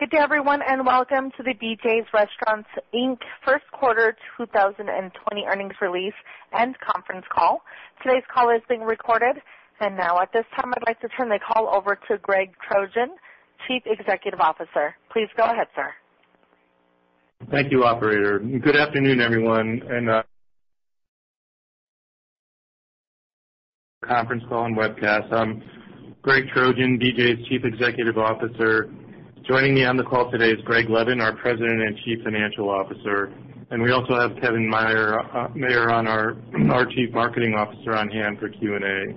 Good day, everyone. Welcome to the BJ's Restaurants Inc. First Quarter 2020 Earnings Release and Conference Call. Today's call is being recorded. Now at this time, I'd like to turn the call over to Gregory Trojan, Chief Executive Officer. Please go ahead, sir. Thank you, operator. Good afternoon, everyone, and conference call and webcast. I'm Gregory Trojan, BJ's Chief Executive Officer. Joining me on the call today is Gregory Levin, our President and Chief Financial Officer, and we also have Kevin Mayer our Chief Marketing Officer on hand for Q&A.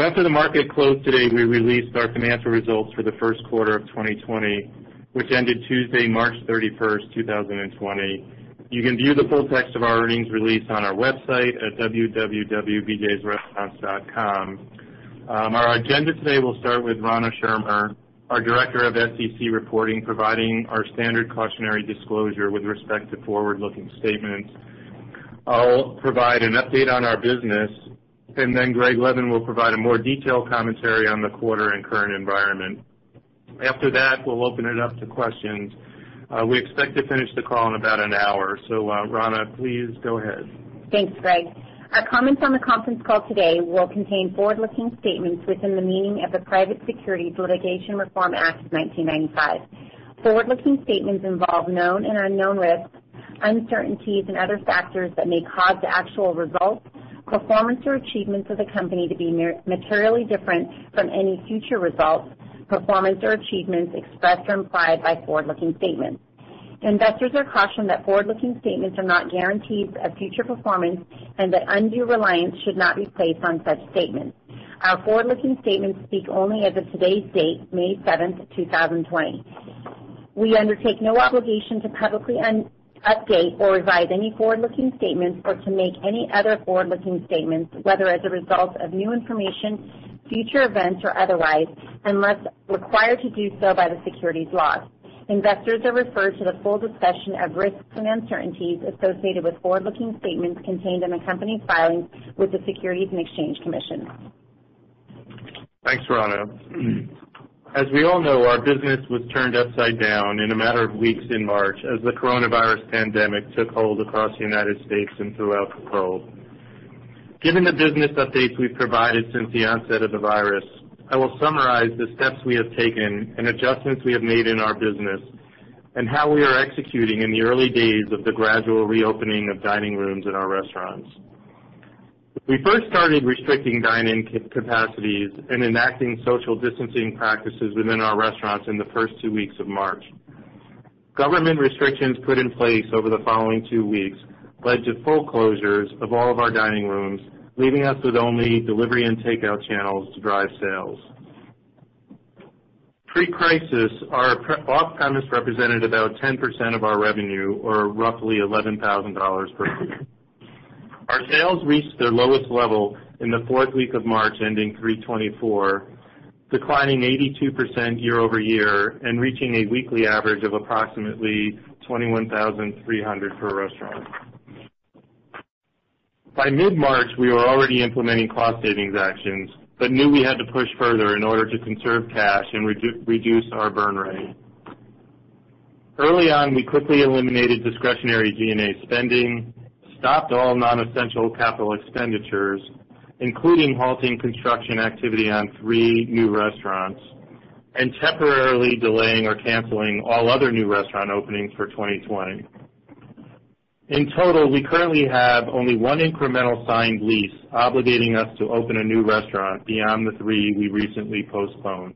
After the market closed today, we released our financial results for the first quarter of 2020, which ended Tuesday, March 31st, 2020. You can view the full text of our earnings release on our website at bjsrestaurants.com. Our agenda today will start with Rana Schirmer, our Director of SEC Reporting, providing our standard cautionary disclosure with respect to forward-looking statements. I'll provide an update on our business, and then Gregory Levin will provide a more detailed commentary on the quarter and current environment. After that, we'll open it up to questions. We expect to finish the call in about an hour. Rana, please go ahead. Thanks, Greg. Our comments on the conference call today will contain forward-looking statements within the meaning of the Private Securities Litigation Reform Act of 1995. Forward-looking statements involve known and unknown risks, uncertainties and other factors that may cause the actual results, performance or achievements of the company to be materially different from any future results, performance or achievements expressed or implied by forward-looking statements. Investors are cautioned that forward-looking statements are not guarantees of future performance and that undue reliance should not be placed on such statements. Our forward-looking statements speak only as of today's date, May 7th, 2020. We undertake no obligation to publicly update or revise any forward-looking statements or to make any other forward-looking statements, whether as a result of new information, future events or otherwise, unless required to do so by the securities laws. Investors are referred to the full discussion of risks and uncertainties associated with forward-looking statements contained in the company's filings with the Securities and Exchange Commission. Thanks, Rana. As we all know, our business was turned upside down in a matter of weeks in March as the coronavirus pandemic took hold across the United States and throughout the world. Given the business updates we've provided since the onset of the virus, I will summarize the steps we have taken and adjustments we have made in our business, and how we are executing in the early days of the gradual reopening of dining rooms in our restaurants. We first started restricting dine-in capacities and enacting social distancing practices within our restaurants in the first two weeks of March. Government restrictions put in place over the following two weeks led to full closures of all of our dining rooms, leaving us with only delivery and takeout channels to drive sales. Pre-crisis, our off-premise represented about 10% of our revenue or roughly $11,000 per week. Our sales reached their lowest level in the fourth week of March, ending 3/24, declining 82% year-over-year and reaching a weekly average of approximately $21,300 per restaurant. By mid-March, we were already implementing cost savings actions but knew we had to push further in order to conserve cash and reduce our burn rate. Early on, we quickly eliminated discretionary G&A spending, stopped all non-essential CapEx, including halting construction activity on three new restaurants, and temporarily delaying or canceling all other new restaurant openings for 2020. In total, we currently have only one incremental signed lease obligating us to open a new restaurant beyond the three we recently postponed.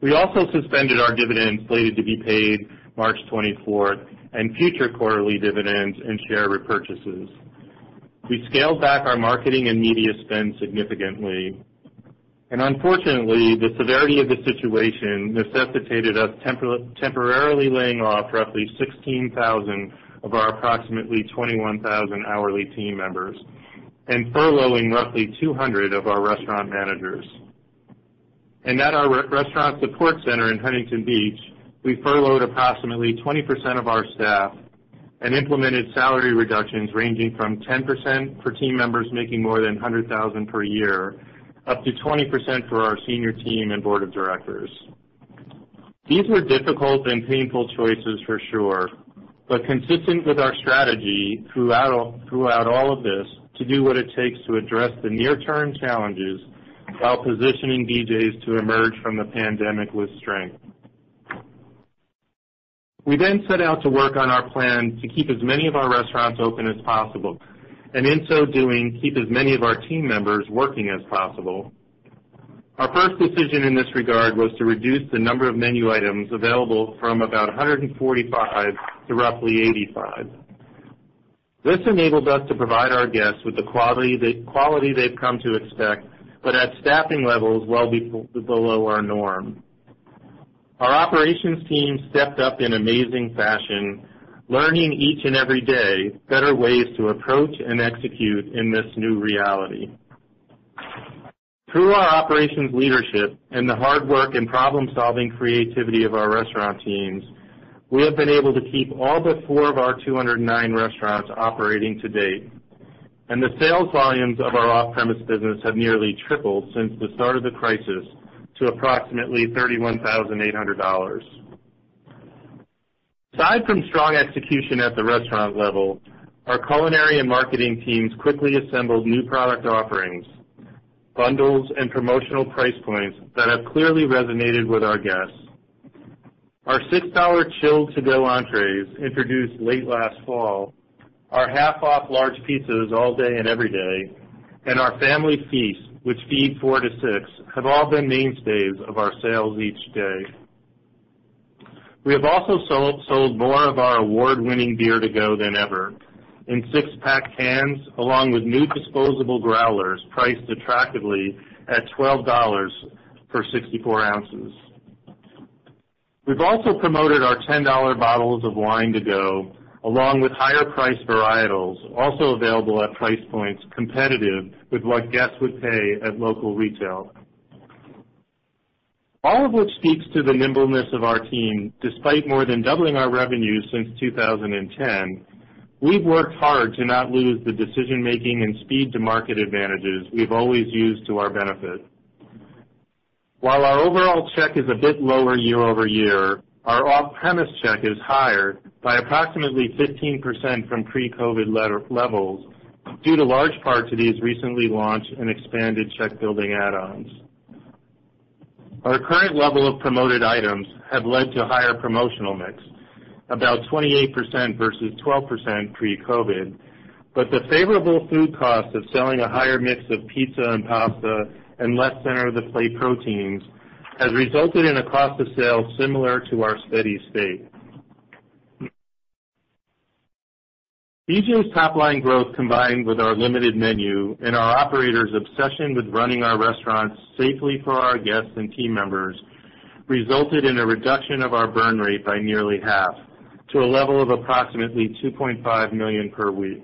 We also suspended our dividends slated to be paid March 24th and future quarterly dividends and share repurchases. We scaled back our marketing and media spend significantly. Unfortunately, the severity of the situation necessitated us temporarily laying off roughly 16,000 of our approximately 21,000 hourly team members and furloughing roughly 200 of our restaurant managers. At our restaurant support center in Huntington Beach, we furloughed approximately 20% of our staff and implemented salary reductions ranging from 10% for team members making more than $100,000 per year, up to 20% for our senior team and board of directors. These were difficult and painful choices for sure, consistent with our strategy throughout all of this, to do what it takes to address the near-term challenges while positioning BJ's to emerge from the pandemic with strength. We set out to work on our plan to keep as many of our restaurants open as possible, and in so doing, keep as many of our team members working as possible. Our first decision in this regard was to reduce the number of menu items available from about 145 to roughly 85. This enabled us to provide our guests with the quality they've come to expect, but at staffing levels well below our norm. Our operations team stepped up in amazing fashion, learning each and every day better ways to approach and execute in this new reality. Through our operations leadership and the hard work and problem-solving creativity of our restaurant teams, we have been able to keep all but four of our 209 restaurants operating to date. The sales volumes of our off-premise business have nearly tripled since the start of the crisis to approximately $31,800. Aside from strong execution at the restaurant level, our culinary and marketing teams quickly assembled new product offerings, bundles, and promotional price points that have clearly resonated with our guests. Our $6 chilled to-go entrees, introduced late last fall, our half-off large pizzas all day and every day, and our family feasts, which feed four to six, have all been mainstays of our sales each day. We have also sold more of our award-winning beer to go than ever in six-pack cans, along with new disposable growlers priced attractively at $12 for 64 ounces. We've also promoted our $10 bottles of wine to go, along with higher priced varietals, also available at price points competitive with what guests would pay at local retail. All of which speaks to the nimbleness of our team. Despite more than doubling our revenues since 2010, we've worked hard to not lose the decision-making and speed-to-market advantages we've always used to our benefit. While our overall check is a bit lower year-over-year, our off-premise check is higher by approximately 15% from pre-COVID levels due to large parts of these recently launched and expanded check-building add-ons. Our current level of promoted items have led to higher promotional mix, about 28% versus 12% pre-COVID, but the favorable food cost of selling a higher mix of pizza and pasta and less center-of-the-plate proteins has resulted in a cost of sale similar to our steady state. BJ's top line growth, combined with our limited menu and our operators' obsession with running our restaurants safely for our guests and team members, resulted in a reduction of our burn rate by nearly half to a level of approximately $2.5 million per week.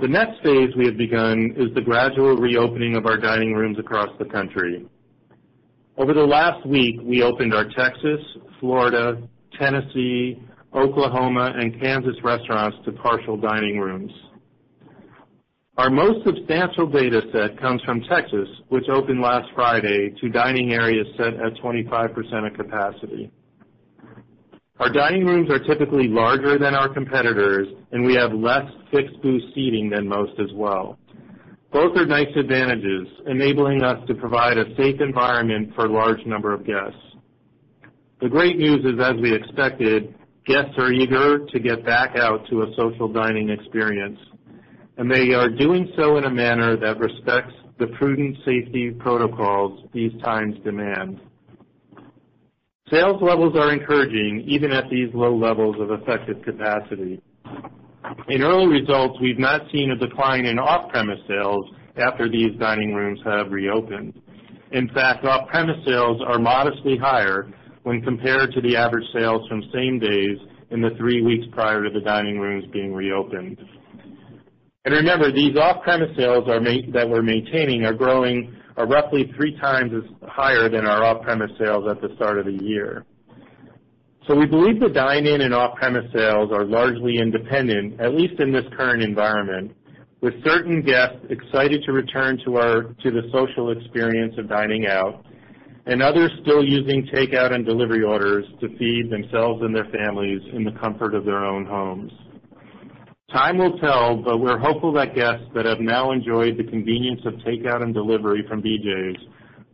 The next phase we have begun is the gradual reopening of our dining rooms across the country. Over the last week, we opened our Texas, Florida, Tennessee, Oklahoma, and Kansas restaurants to partial dining rooms. Our most substantial data set comes from Texas, which opened last Friday to dining areas set at 25% of capacity. Our dining rooms are typically larger than our competitors, and we have less fixed booth seating than most as well. Both are nice advantages, enabling us to provide a safe environment for a large number of guests. The great news is, as we expected, guests are eager to get back out to a social dining experience, and they are doing so in a manner that respects the prudent safety protocols these times demand. Sales levels are encouraging, even at these low levels of effective capacity. In early results, we've not seen a decline in off-premise sales after these dining rooms have reopened. In fact, off-premise sales are modestly higher when compared to the average sales from same days in the three weeks prior to the dining rooms being reopened. Remember, these off-premise sales that we're maintaining are growing roughly three times as higher than our off-premise sales at the start of the year. We believe the dine-in and off-premise sales are largely independent, at least in this current environment, with certain guests excited to return to the social experience of dining out and others still using takeout and delivery orders to feed themselves and their families in the comfort of their own homes. Time will tell, we're hopeful that guests that have now enjoyed the convenience of takeout and delivery from BJ's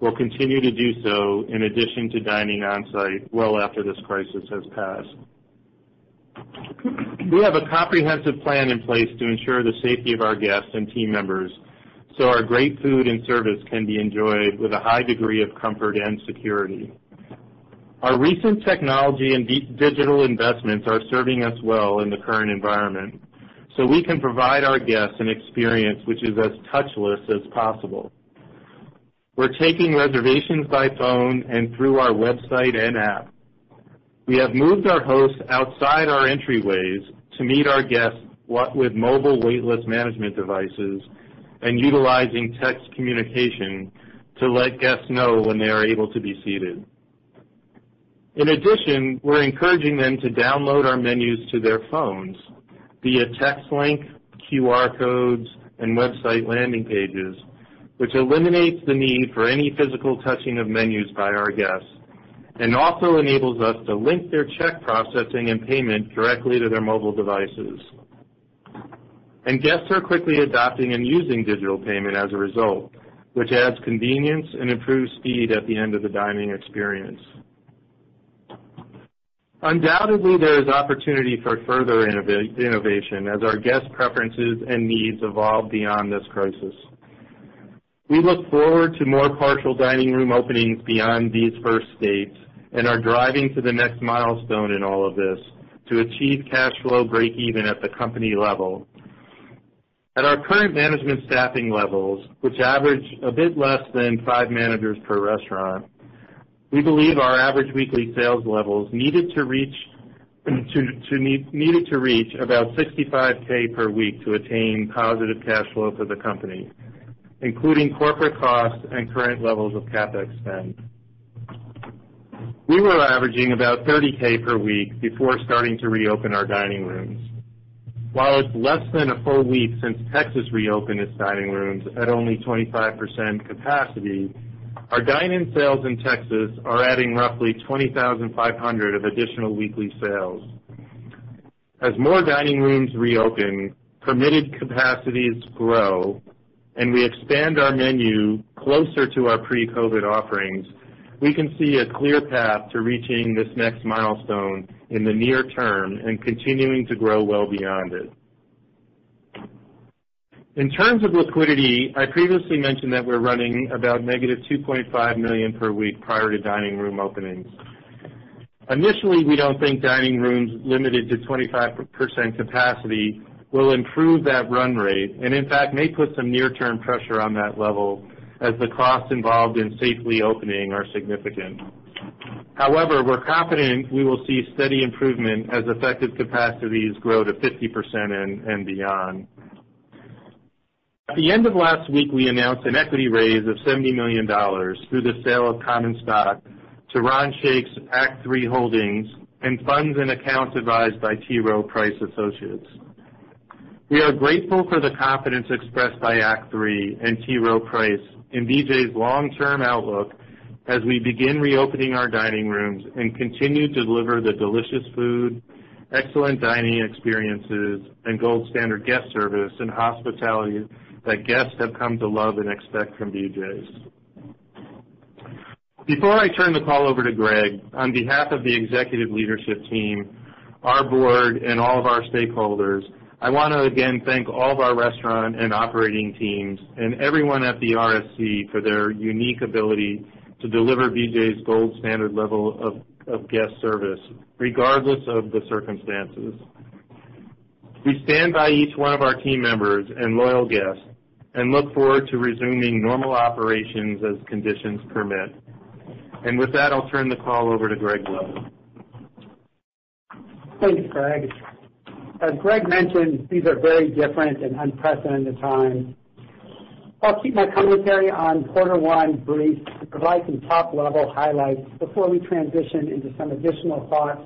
will continue to do so in addition to dining on-site well after this crisis has passed. We have a comprehensive plan in place to ensure the safety of our guests and team members so our great food and service can be enjoyed with a high degree of comfort and security. Our recent technology and digital investments are serving us well in the current environment, so we can provide our guests an experience which is as touchless as possible. We're taking reservations by phone and through our website and app. We have moved our hosts outside our entryways to meet our guests with mobile wait list management devices and utilizing text communication to let guests know when they are able to be seated. In addition, we're encouraging them to download our menus to their phones via text link, QR codes, and website landing pages, which eliminates the need for any physical touching of menus by our guests and also enables us to link their check processing and payment directly to their mobile devices. Guests are quickly adopting and using digital payment as a result, which adds convenience and improves speed at the end of the dining experience. Undoubtedly, there is opportunity for further innovation as our guests' preferences and needs evolve beyond this crisis. We look forward to more partial dining room openings beyond these first states and are driving to the next milestone in all of this to achieve cash flow break even at the company level. At our current management staffing levels, which average a bit less than five managers per restaurant, we believe our average weekly sales levels needed to reach about $65,000 per week to attain positive cash flow for the company, including corporate costs and current levels of CapEx spend. We were averaging about $30,000 per week before starting to reopen our dining rooms. While it's less than a full week since Texas reopened its dining rooms at only 25% capacity, our dine-in sales in Texas are adding roughly $20,500 of additional weekly sales. As more dining rooms reopen, permitted capacities grow, and we expand our menu closer to our pre-COVID offerings, we can see a clear path to reaching this next milestone in the near term and continuing to grow well beyond it. In terms of liquidity, I previously mentioned that we're running about negative $2.5 million per week prior to dining room openings. Initially, we don't think dining rooms limited to 25% capacity will improve that run rate, and in fact, may put some near-term pressure on that level as the costs involved in safely opening are significant. However, we're confident we will see steady improvement as effective capacities grow to 50% and beyond. At the end of last week, we announced an equity raise of $70 million through the sale of common stock to Ron Shaich's Act III Holdings and funds and accounts advised by T. Rowe Price Associates. We are grateful for the confidence expressed by Act III and T. Rowe Price in BJ's long-term outlook as we begin reopening our dining rooms and continue to deliver the delicious food, excellent dining experiences, and gold standard guest service and hospitality that guests have come to love and expect from BJ's. Before I turn the call over to Greg, on behalf of the executive leadership team, our board, and all of our stakeholders, I want to again thank all of our restaurant and operating teams and everyone at the RSC for their unique ability to deliver BJ's gold standard level of guest service, regardless of the circumstances. We stand by each one of our team members and loyal guests and look forward to resuming normal operations as conditions permit. With that, I'll turn the call over to Greg Levin. Thanks, Greg. As Greg mentioned, these are very different and unprecedented times. I'll keep my commentary on quarter one brief to provide some top-level highlights before we transition into some additional thoughts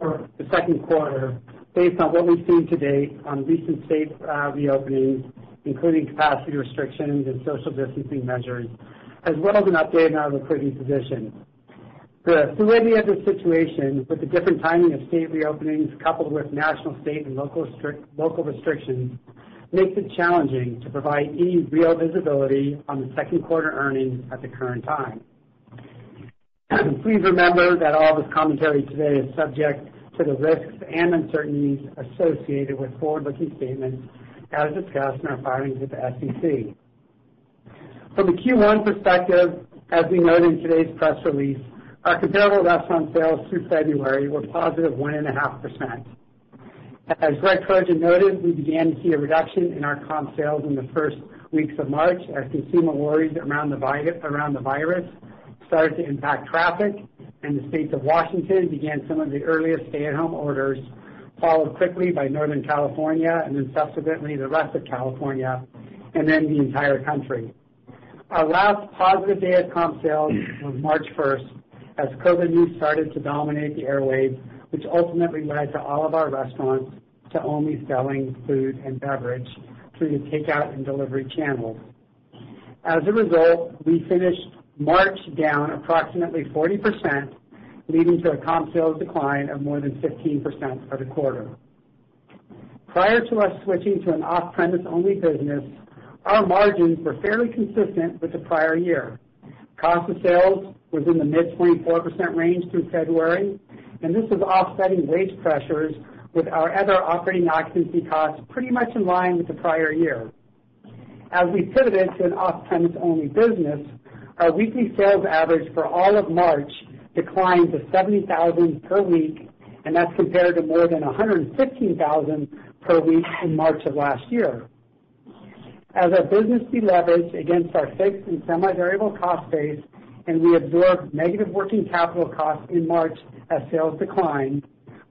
for the second quarter based on what we've seen to date on recent state reopenings, including capacity restrictions and social distancing measures, as well as an update on our liquidity position. The fluidity of the situation with the different timing of state reopenings, coupled with national, state, and local restrictions, makes it challenging to provide any real visibility on the second quarter earnings at the current time. Please remember that all this commentary today is subject to the risks and uncertainties associated with forward-looking statements, as discussed in our filings with the SEC. From a Q1 perspective, as we noted in today's press release, our comparable restaurant sales through February were positive 1.5%. As Greg Trojan noted, we began to see a reduction in our comp sales in the first weeks of March as consumer worries around the virus started to impact traffic, and the state of Washington began some of the earliest stay-at-home orders, followed quickly by Northern California, and then subsequently the rest of California, and then the entire country. Our last positive day of comp sales was March 1st as COVID news started to dominate the airwaves, which ultimately led to all of our restaurants to only selling food and beverage through the takeout and delivery channels. As a result, we finished March down approximately 40%, leading to a comp sales decline of more than 15% for the quarter. Prior to us switching to an off-premise only business, our margins were fairly consistent with the prior year. Cost of sales was in the mid 24% range through February. This was offsetting wage pressures with our other operating occupancy costs pretty much in line with the prior year. As we pivoted to an off-premise only business, our weekly sales average for all of March declined to $70,000 per week. That's compared to more than $115,000 per week in March of last year. As our business deleveraged against our fixed and semi-variable cost base and we absorbed negative working capital costs in March as sales declined,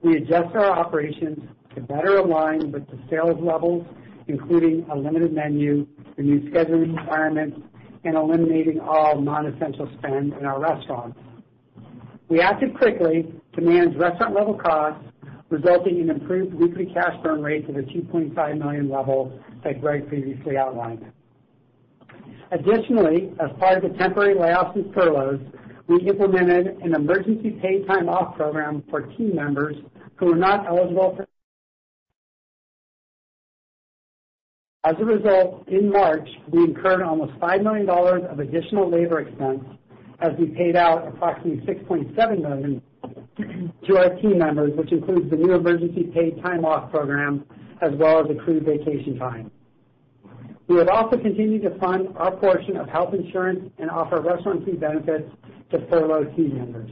we adjusted our operations to better align with the sales levels, including a limited menu, the new scheduling requirements, and eliminating all non-essential spend in our restaurants. We acted quickly to manage restaurant level costs, resulting in improved weekly cash burn rates of the $2.5 million level that Greg previously outlined. Additionally, as part of the temporary layoffs and furloughs, we implemented an emergency paid time off program for team members who are not eligible for. As a result, in March, we incurred almost $5 million of additional labor expense as we paid out approximately $6.7 million to our team members, which includes the new emergency paid time off program, as well as accrued vacation time. We have also continued to fund our portion of health insurance and offer restaurant team benefits to furloughed team members.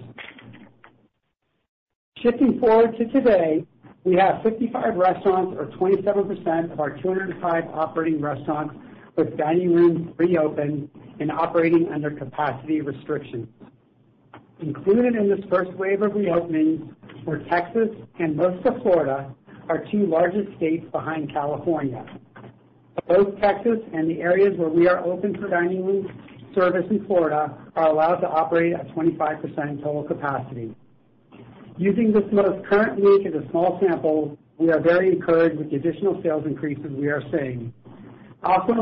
Shifting forward to today, we have 55 restaurants or 27% of our 205 operating restaurants with dining rooms reopened and operating under capacity restrictions. Included in this first wave of reopenings were Texas and most of Florida, our two largest states behind California. Both Texas and the areas where we are open for dining room service in Florida are allowed to operate at 25% total capacity. Using this most current week as a small sample, we are very encouraged with the additional sales increases we are seeing. Also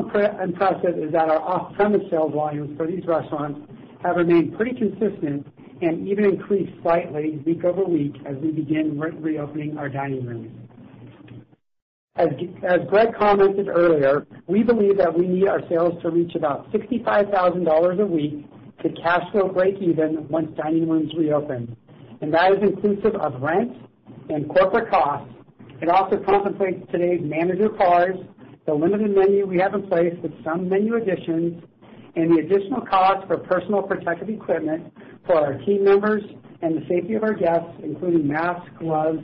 impressive is that our off-premise sales volumes for these restaurants have remained pretty consistent and even increased slightly week over week as we begin reopening our dining rooms. As Greg commented earlier, we believe that we need our sales to reach about $65,000 a week to cash flow break even once dining rooms reopen, and that is inclusive of rent and corporate costs. It also contemplates today's manager cards, the limited menu we have in place with some menu additions, and the additional costs for personal protective equipment for our team members and the safety of our guests, including masks, gloves,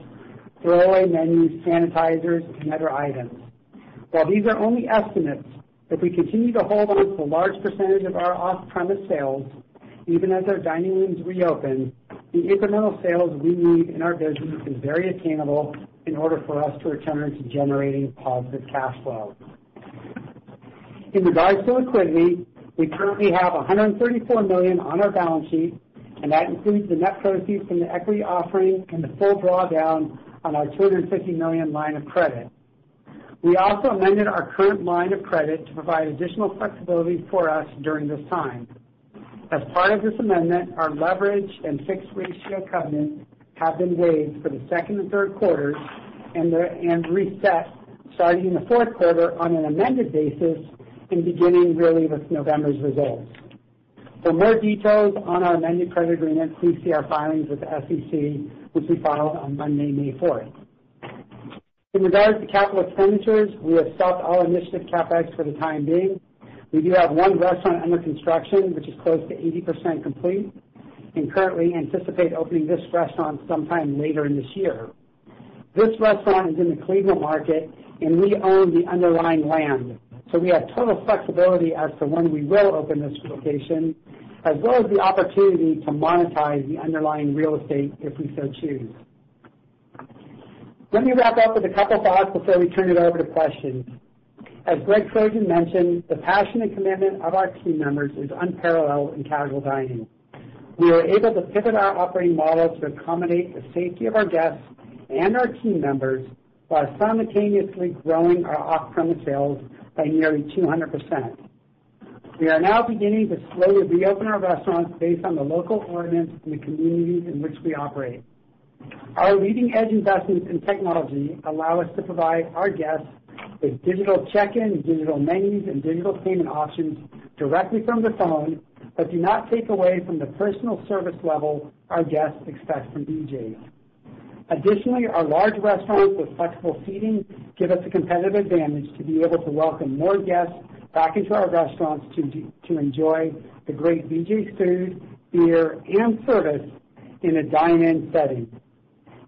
throwaway menus, sanitizers, and other items. While these are only estimates, if we continue to hold onto a large percentage of our off-premise sales, even as our dining rooms reopen, the incremental sales we need in our business is very attainable in order for us to return to generating positive cash flow. In regards to liquidity, we currently have $134 million on our balance sheet, that includes the net proceeds from the equity offering and the full draw down on our $250 million line of credit. We also amended our current line of credit to provide additional flexibility for us during this time. As part of this amendment, our leverage and fixed ratio covenants have been waived for the second and third quarters and reset starting in the fourth quarter on an amended basis and beginning really with November's results. For more details on our amended credit agreement, please see our filings with the SEC, which we filed on Monday, May 4th. In regards to capital expenditures, we have stopped all initiative CapEx for the time being. We do have one restaurant under construction, which is close to 80% complete. We currently anticipate opening this restaurant sometime later in this year. This restaurant is in the Cleveland market, and we own the underlying land, so we have total flexibility as to when we will open this location, as well as the opportunity to monetize the underlying real estate if we so choose. Let me wrap up with a couple thoughts before we turn it over to questions. As Greg Trojan mentioned, the passion and commitment of our team members is unparalleled in casual dining. We were able to pivot our operating model to accommodate the safety of our guests and our team members while simultaneously growing our off-premise sales by nearly 200%. We are now beginning to slowly reopen our restaurants based on the local ordinance in the communities in which we operate. Our leading-edge investments in technology allow us to provide our guests with digital check-in, digital menus, and digital payment options directly from their phone but do not take away from the personal service level our guests expect from BJ's. Additionally, our large restaurants with flexible seating give us a competitive advantage to be able to welcome more guests back into our restaurants to enjoy the great BJ's food, beer, and service in a dine-in setting.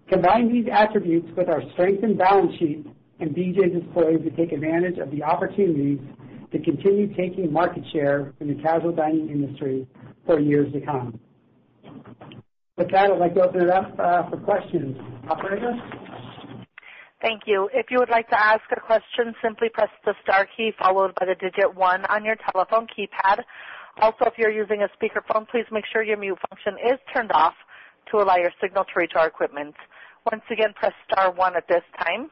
Combine these attributes with our strengthened balance sheet, BJ's is poised to take advantage of the opportunities to continue taking market share in the casual dining industry for years to come. With that, I'd like to open it up for questions. Operator? Thank you. If you would like to ask a question, simply press the star key followed by the digit one on your telephone keypad. Also, if you're using a speakerphone, please make sure your mute function is turned off to allow your signal to reach our equipment. Once again, press star one at this time.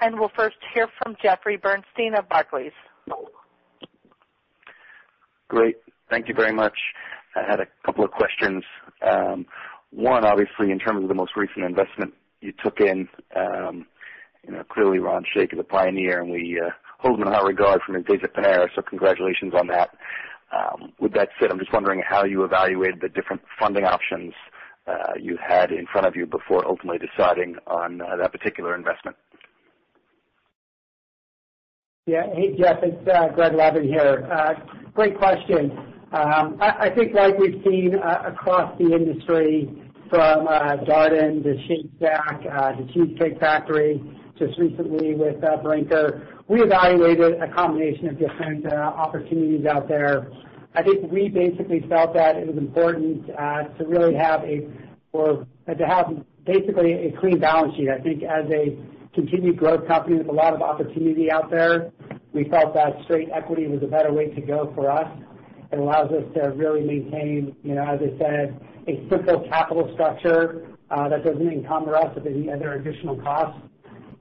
We'll first hear from Jeffrey Bernstein of Barclays. Great. Thank you very much. I had a couple of questions. One, obviously, in terms of the most recent investment you took in, clearly Ron Shaich is a pioneer, and we hold him in high regard from his days at Panera, so congratulations on that. With that said, I'm just wondering how you evaluated the different funding options you had in front of you before ultimately deciding on that particular investment. Yeah. Hey, Jeff. It's Greg Levin here. Great question. I think like we've seen across the industry from Darden to Shake Shack to Cheesecake Factory, just recently with Brinker, we evaluated a combination of different opportunities out there. I think we basically felt that it was important to have basically a clean balance sheet. I think as a continued growth company with a lot of opportunity out there, we felt that straight equity was a better way to go for us. It allows us to really maintain, as I said, a simple capital structure that doesn't encumber us with any other additional costs.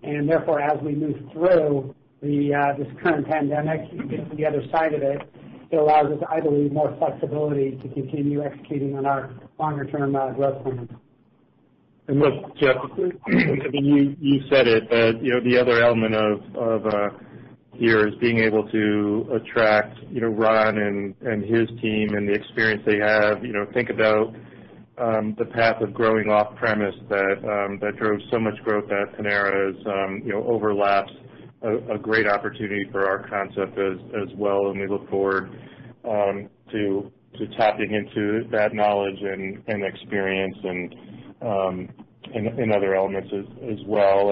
Therefore, as we move through this current pandemic and get to the other side of it allows us, I believe, more flexibility to continue executing on our longer-term growth plans. Look, Jeff, you said it, but the other element of here is being able to attract Ron and his team and the experience they have, think about the path of growing off-premise that drove so much growth at Panera is overlaps a great opportunity for our concept as well, and we look forward to tapping into that knowledge and experience and other elements as well.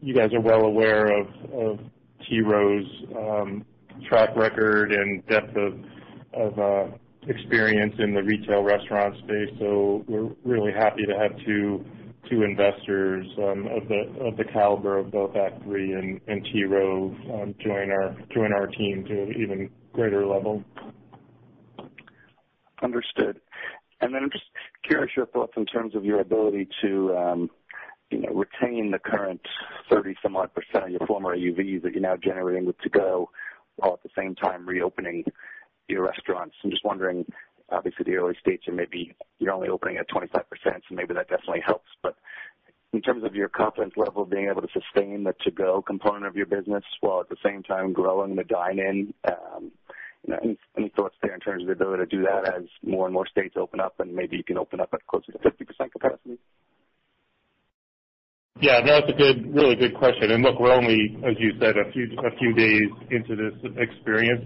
You guys are well aware of T. Rowe's track record and depth of experience in the retail restaurant space. We're really happy to have two investors of the caliber of both Act III and T. Rowe join our team to an even greater level. Understood. Then I'm just curious your thoughts in terms of your ability to retain the current 30-some-odd percent of your former AUVs that you're now generating with to-go, while at the same time reopening your restaurants. I'm just wondering, obviously, the early stages, and maybe you're only opening at 25%, so maybe that definitely helps. In terms of your confidence level of being able to sustain the to-go component of your business while at the same time growing the dine-in, any thoughts there in terms of the ability to do that as more and more states open up and maybe you can open up at closer to 50% capacity? Yeah. No, it's a really good question. Look, we're only, as you said, a few days into this experience.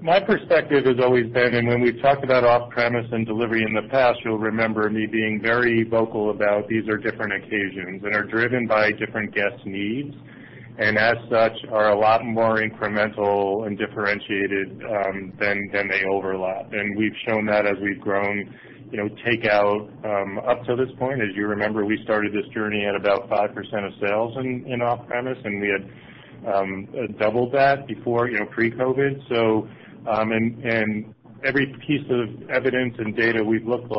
My perspective has always been, and when we've talked about off-premise and delivery in the past, you'll remember me being very vocal about these are different occasions and are driven by different guest needs, and as such, are a lot more incremental and differentiated than they overlap. We've shown that as we've grown takeout up till this point. As you remember, we started this journey at about 5% of sales in off-premise, and we had doubled that pre-COVID. Every piece of evidence and data we've looked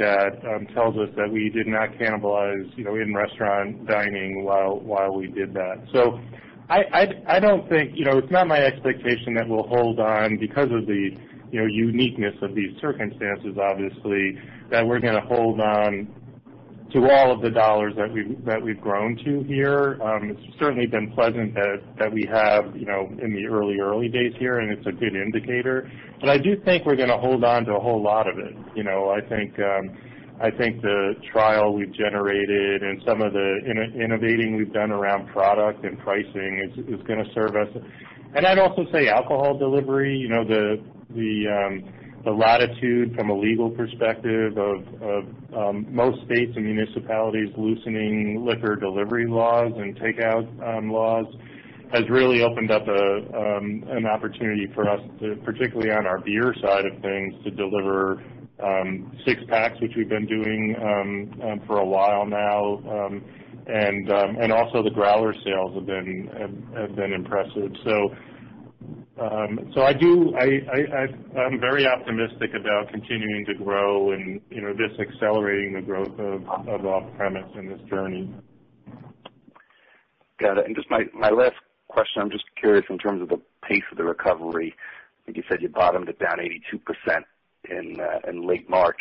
at tells us that we did not cannibalize in-restaurant dining while we did that. It's not my expectation that we'll hold on because of the uniqueness of these circumstances, obviously, that we're going to hold on to all of the dollars that we've grown to here. It's certainly been pleasant that we have in the early days here, and it's a good indicator. I do think we're going to hold on to a whole lot of it. I think the trial we've generated and some of the innovating we've done around product and pricing is going to serve us. I'd also say alcohol delivery, the latitude from a legal perspective of most states and municipalities loosening liquor delivery laws and takeout laws has really opened up an opportunity for us, particularly on our beer side of things, to deliver six-packs, which we've been doing for a while now. Also the growler sales have been impressive. I'm very optimistic about continuing to grow and this accelerating the growth of off-premise in this journey. Just my last question, I'm just curious in terms of the pace of the recovery. I think you said you bottomed at down 82% in late March.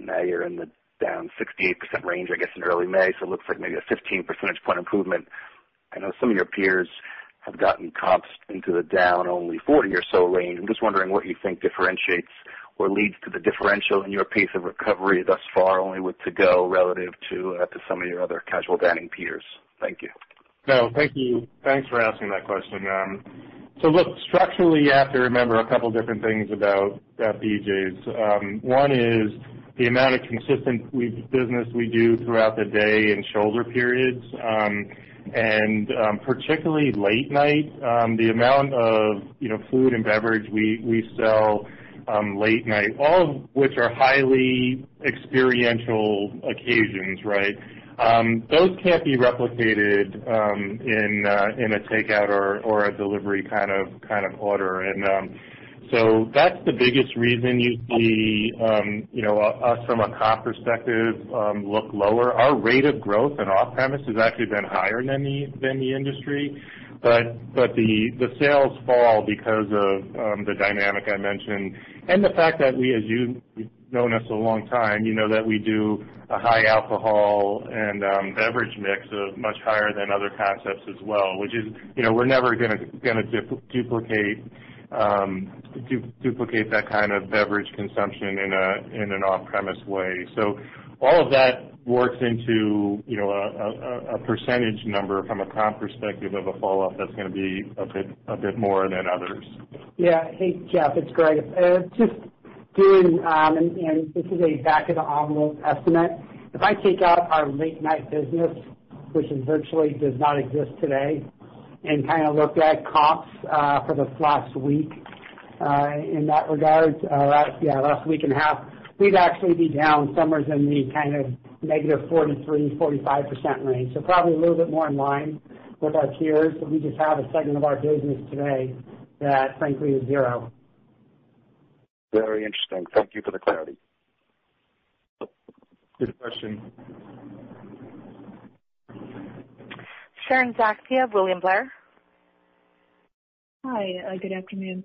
Now you're in the down 68% range, I guess, in early May. It looks like maybe a 15 percentage point improvement. I know some of your peers have gotten comps into the down only 40% or so range. I'm just wondering what you think differentiates or leads to the differential in your pace of recovery thus far, only with to-go, relative to some of your other casual dining peers. Thank you. No, thank you. Thanks for asking that question. Look, structurally, you have to remember a couple different things about BJ's. One is the amount of consistent business we do throughout the day in shoulder periods, and particularly late night. The amount of food and beverage we sell late night, all of which are highly experiential occasions. Those can't be replicated in a takeout or a delivery kind of order. That's the biggest reason you see us, from a comp perspective, look lower. Our rate of growth in off-premise has actually been higher than the industry, but the sales fall because of the dynamic I mentioned and the fact that we, as you've known us a long time, you know that we do a high alcohol and beverage mix of much higher than other concepts as well, which is we're never going to duplicate that kind of beverage consumption in an off-premise way. All of that works into a percentage number from a comp perspective of a falloff that's going to be a bit more than others. Yeah. Hey, Jeff, it's Greg. Just doing, and this is a back of the envelope estimate. If I take out our late night business, which virtually does not exist today, and look at comps for this last week in that regard, yeah, last week and a half, we'd actually be down somewhere in the -43% to 45% range. Probably a little bit more in line with our peers, but we just have a segment of our business today that frankly is zero. Very interesting. Thank you for the clarity. Good question. Sharon Zackfia, William Blair. Hi, good afternoon.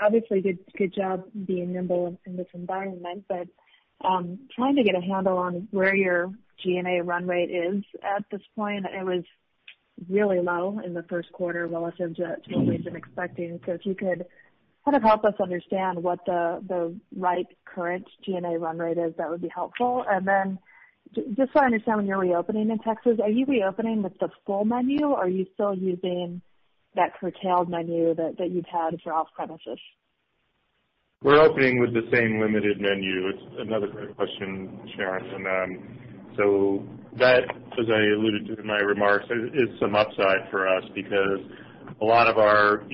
Obviously, good job being nimble in this environment, but trying to get a handle on where your G&A run rate is at this point. It was really low in the first quarter relative to what we've been expecting. If you could help us understand what the right current G&A run rate is, that would be helpful. Just so I understand, when you're reopening in Texas, are you reopening with the full menu, or are you still using that curtailed menu that you've had for off-premises? We're opening with the same limited menu. It's another great question, Sharon. That, as I alluded to in my remarks, is some upside for us because a lot of our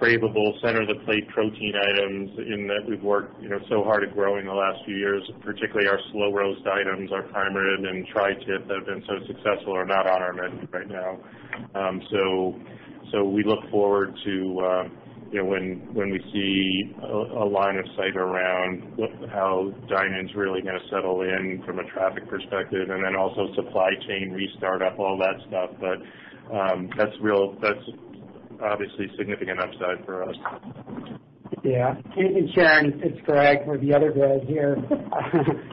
craveable center-of-the-plate protein items in that we've worked so hard at growing in the last few years, particularly our slow roast items, our prime rib, and tri-tip that have been so successful are not on our menu right now. We look forward to when we see a line of sight around how dine-in's really going to settle in from a traffic perspective, and then also supply chain restart up, all that stuff. That's obviously a significant upside for us. Yeah. Sharon, it's Greg. We're the other Greg here.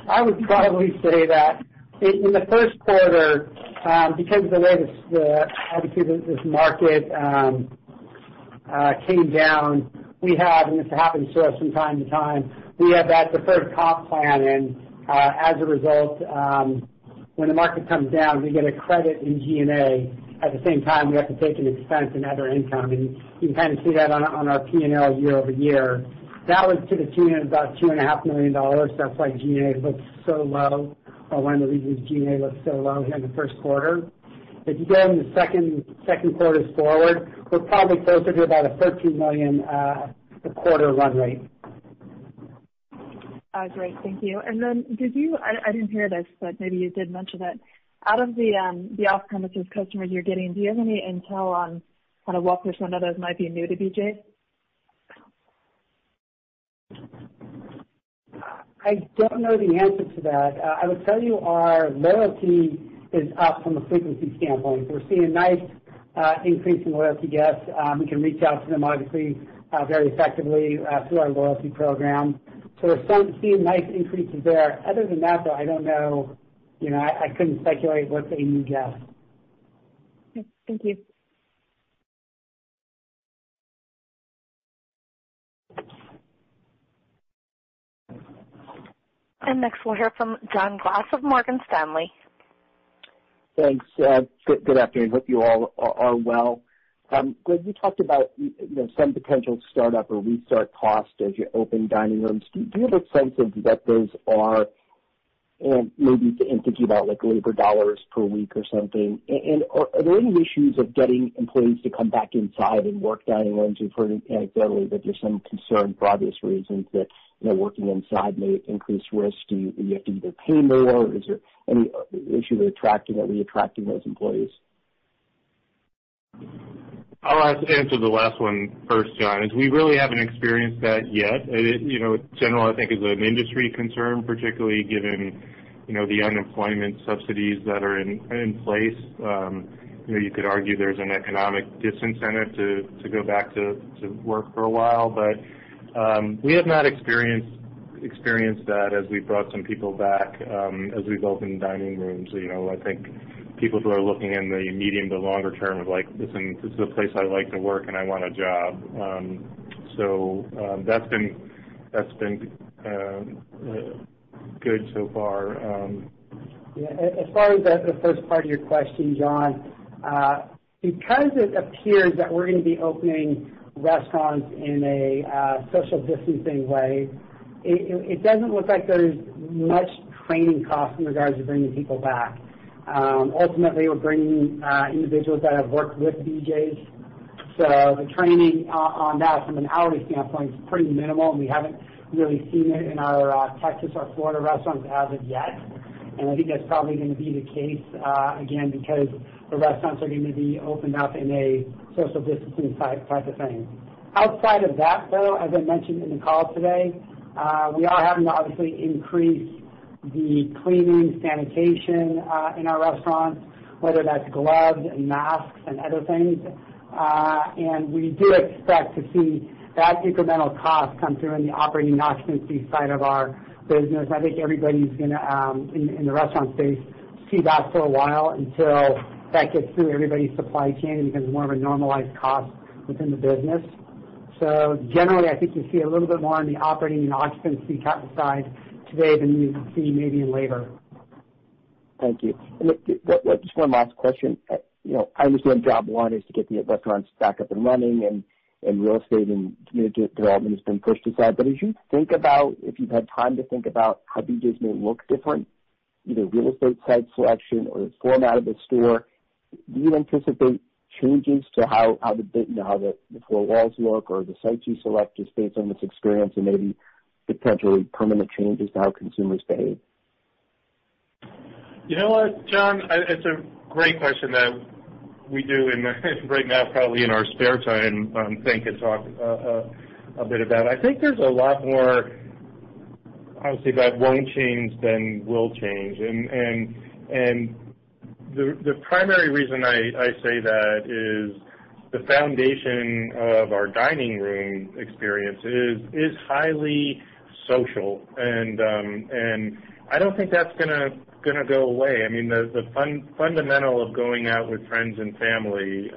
I would probably say that in the first quarter, because of the way this market came down, and this happens to us from time to time, we have that deferred comp plan. As a result, when the market comes down, we get a credit in G&A. At the same time, we have to take an expense and other income, and you can see that on our P&L year-over-year. That was to the tune of about $2.5 million. That's why G&A looks so low, or one of the reasons G&A looks so low here in the first quarter. If you go into second quarters forward, we're probably closer to about a $13 million a quarter run rate. Great. Thank you. I didn't hear this, but maybe you did mention it. Out of the off-premises customers you're getting, do you have any intel on what percentage of those might be new to BJ's? I don't know the answer to that. I would tell you our loyalty is up from a frequency standpoint. We're seeing nice increase in loyalty guests. We can reach out to them, obviously, very effectively through our loyalty program. We're seeing nice increases there. Other than that, though, I don't know. I couldn't speculate what's a new guest. Thank you. Next, we'll hear from John Glass of Morgan Stanley. Thanks. Good afternoon. Hope you all are well. Greg, you talked about some potential startup or restart costs as you open dining rooms. Do you have a sense of what those are, and maybe in thinking about labor dollars per week or something? Are there any issues of getting employees to come back inside and work dining rooms? We've heard anecdotally that there's some concern for obvious reasons that working inside may increase risk. Do you have to either pay more? Is there any issue with attracting or reattracting those employees? I'll answer the last one first, John, is we really haven't experienced that yet. In general, I think is an industry concern, particularly given the unemployment subsidies that are in place. You could argue there's an economic disincentive to go back to work for a while. We have not experienced that as we've brought some people back, as we've opened dining rooms. I think people who are looking in the medium to longer term of like, "This is a place I like to work, and I want a job." That's been good so far. Yeah. As far as the first part of your question, John, because it appears that we're going to be opening restaurants in a social distancing way, it doesn't look like there's much training cost in regards to bringing people back. Ultimately, we're bringing individuals that have worked with BJ's, so the training on that from an hourly standpoint is pretty minimal, and we haven't really seen it in our Texas or Florida restaurants as of yet. I think that's probably going to be the case, again, because the restaurants are going to be opened up in a social distancing type of thing. Outside of that, though, as I mentioned in the call today, we are having to obviously increase the cleaning, sanitation in our restaurants, whether that's gloves and masks and other things. We do expect to see that incremental cost come through in the operating occupancy side of our business. I think everybody's going to, in the restaurant space, see that for a while until that gets through everybody's supply chain because it's more of a normalized cost within the business. Generally, I think you'll see a little bit more on the operating and occupancy type of side today than you would see maybe in labor. Thank you. Just one last question. I understand job one is to get the restaurants back up and running, and real estate and community development has been pushed aside. As you think about, if you've had time to think about how BJ's may look different, either real estate site selection or the format of the store, do you anticipate changes to how the four walls look or the sites you select just based on this experience and maybe potentially permanent changes to how consumers behave? You know what, John? It's a great question that we do right now, probably in our spare time, think and talk a bit about. I think there's a lot more, obviously, about won't change than will change. The primary reason I say that is the foundation of our dining room experience is highly social, and I don't think that's going to go away. The fundamental of going out with friends and family.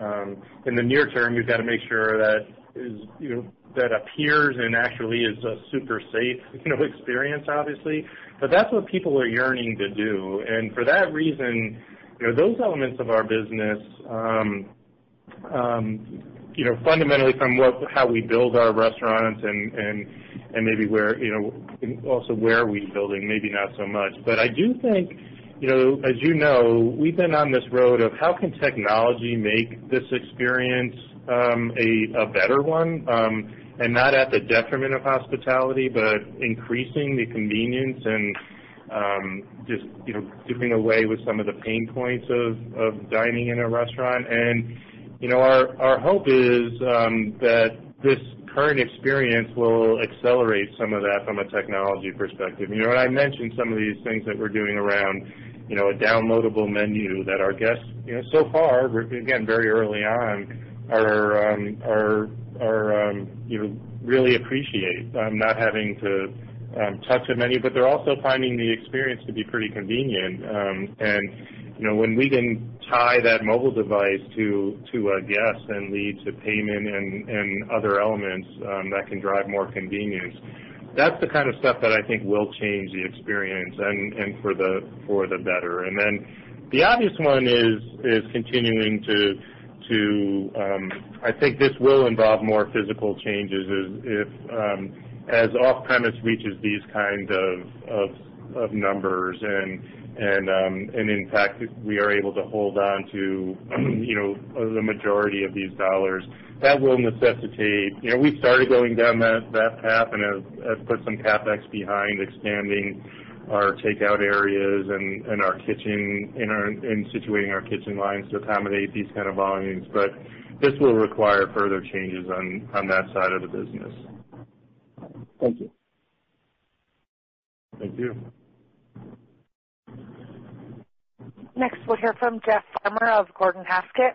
In the near term, we've got to make sure that appears and actually is a super safe experience, obviously. That's what people are yearning to do. For that reason, those elements of our business. Fundamentally, from how we build our restaurants and maybe also where are we building, maybe not so much. I do think, as you know, we've been on this road of how can technology make this experience a better one, not at the detriment of hospitality, but increasing the convenience and just doing away with some of the pain points of dining in a restaurant. Our hope is that this current experience will accelerate some of that from a technology perspective. I mentioned some of these things that we're doing around a downloadable menu that our guests, so far, again, very early on, really appreciate not having to touch a menu, but they're also finding the experience to be pretty convenient. When we can tie that mobile device to a guest and lead to payment and other elements that can drive more convenience, that's the kind of stuff that I think will change the experience, and for the better. I think this will involve more physical changes as off-premise reaches these kind of numbers. In fact, we are able to hold on to the majority of these dollars. We started going down that path and have put some CapEx behind expanding our takeout areas and our kitchen, in situating our kitchen lines to accommodate these kind of volumes. This will require further changes on that side of the business. Thank you. Thank you. Next, we'll hear from Jeff Farmer of Gordon Haskett.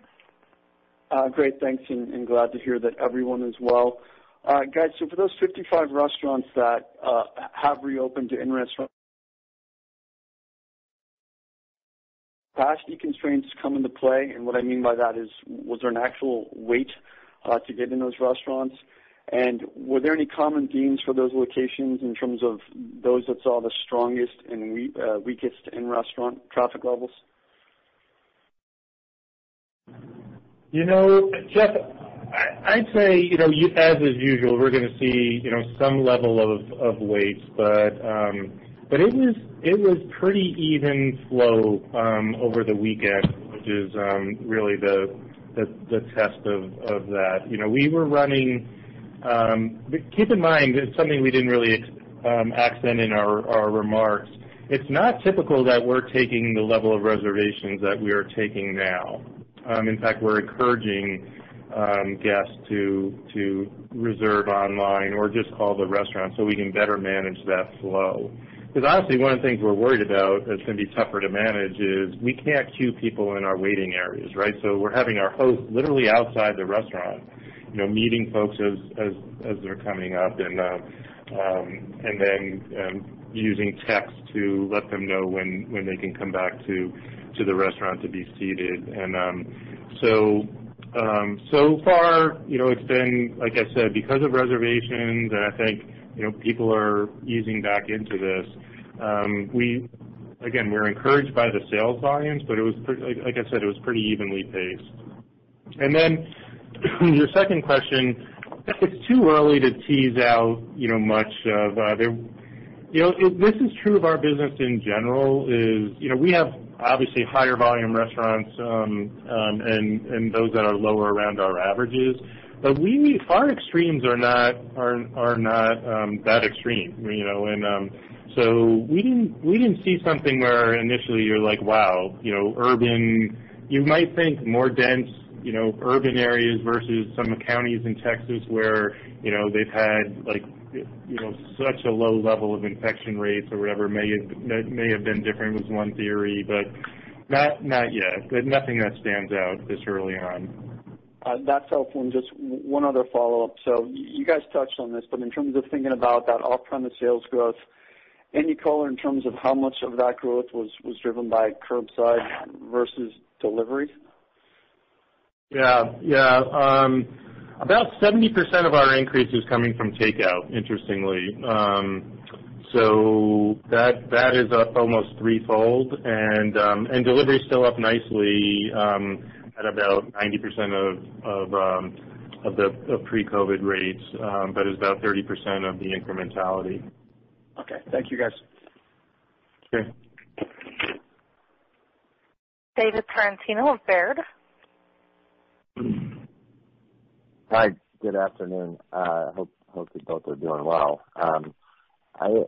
Great. Thanks, and glad to hear that everyone is well. Guys, for those 55 restaurants that have reopened to in-restaurant capacity constraints come into play, and what I mean by that is, was there an actual wait to get in those restaurants? Were there any common themes for those locations in terms of those that saw the strongest and weakest in-restaurant traffic levels? Jeff, I'd say, as is usual, we're going to see some level of waits. It was pretty even flow over the weekend, which is really the test of that. Keep in mind, something we didn't really accent in our remarks, it's not typical that we're taking the level of reservations that we are taking now. In fact, we're encouraging guests to reserve online or just call the restaurant so we can better manage that flow. Honestly, one of the things we're worried about that's going to be tougher to manage is we can't queue people in our waiting areas, right? We're having our host literally outside the restaurant, meeting folks as they're coming up, and then using text to let them know when they can come back to the restaurant to be seated. So far, it's been, like I said, because of reservations and I think people are easing back into this. Again, we're encouraged by the sales volumes, but like I said, it was pretty evenly paced. Your second question, it's too early to tease out. This is true of our business in general is, we have, obviously, higher volume restaurants and those that are lower around our averages. Our extremes are not that extreme. We didn't see something where initially you're like, "Wow." You might think more dense urban areas versus some counties in Texas where they've had such a low level of infection rates or whatever may have been different, was one theory, but not yet. Nothing that stands out this early on. That's helpful. Just one other follow-up. You guys touched on this, but in terms of thinking about that off-premise sales growth, any color in terms of how much of that growth was driven by curbside versus delivery? Yeah. About 70% of our increase is coming from takeout, interestingly. That is up almost threefold, and delivery is still up nicely at about 90% of pre-COVID rates. It's about 30% of the incrementality. Okay. Thank you, guys. Okay. David Tarantino of Baird. Hi, good afternoon. Hope you both are doing well.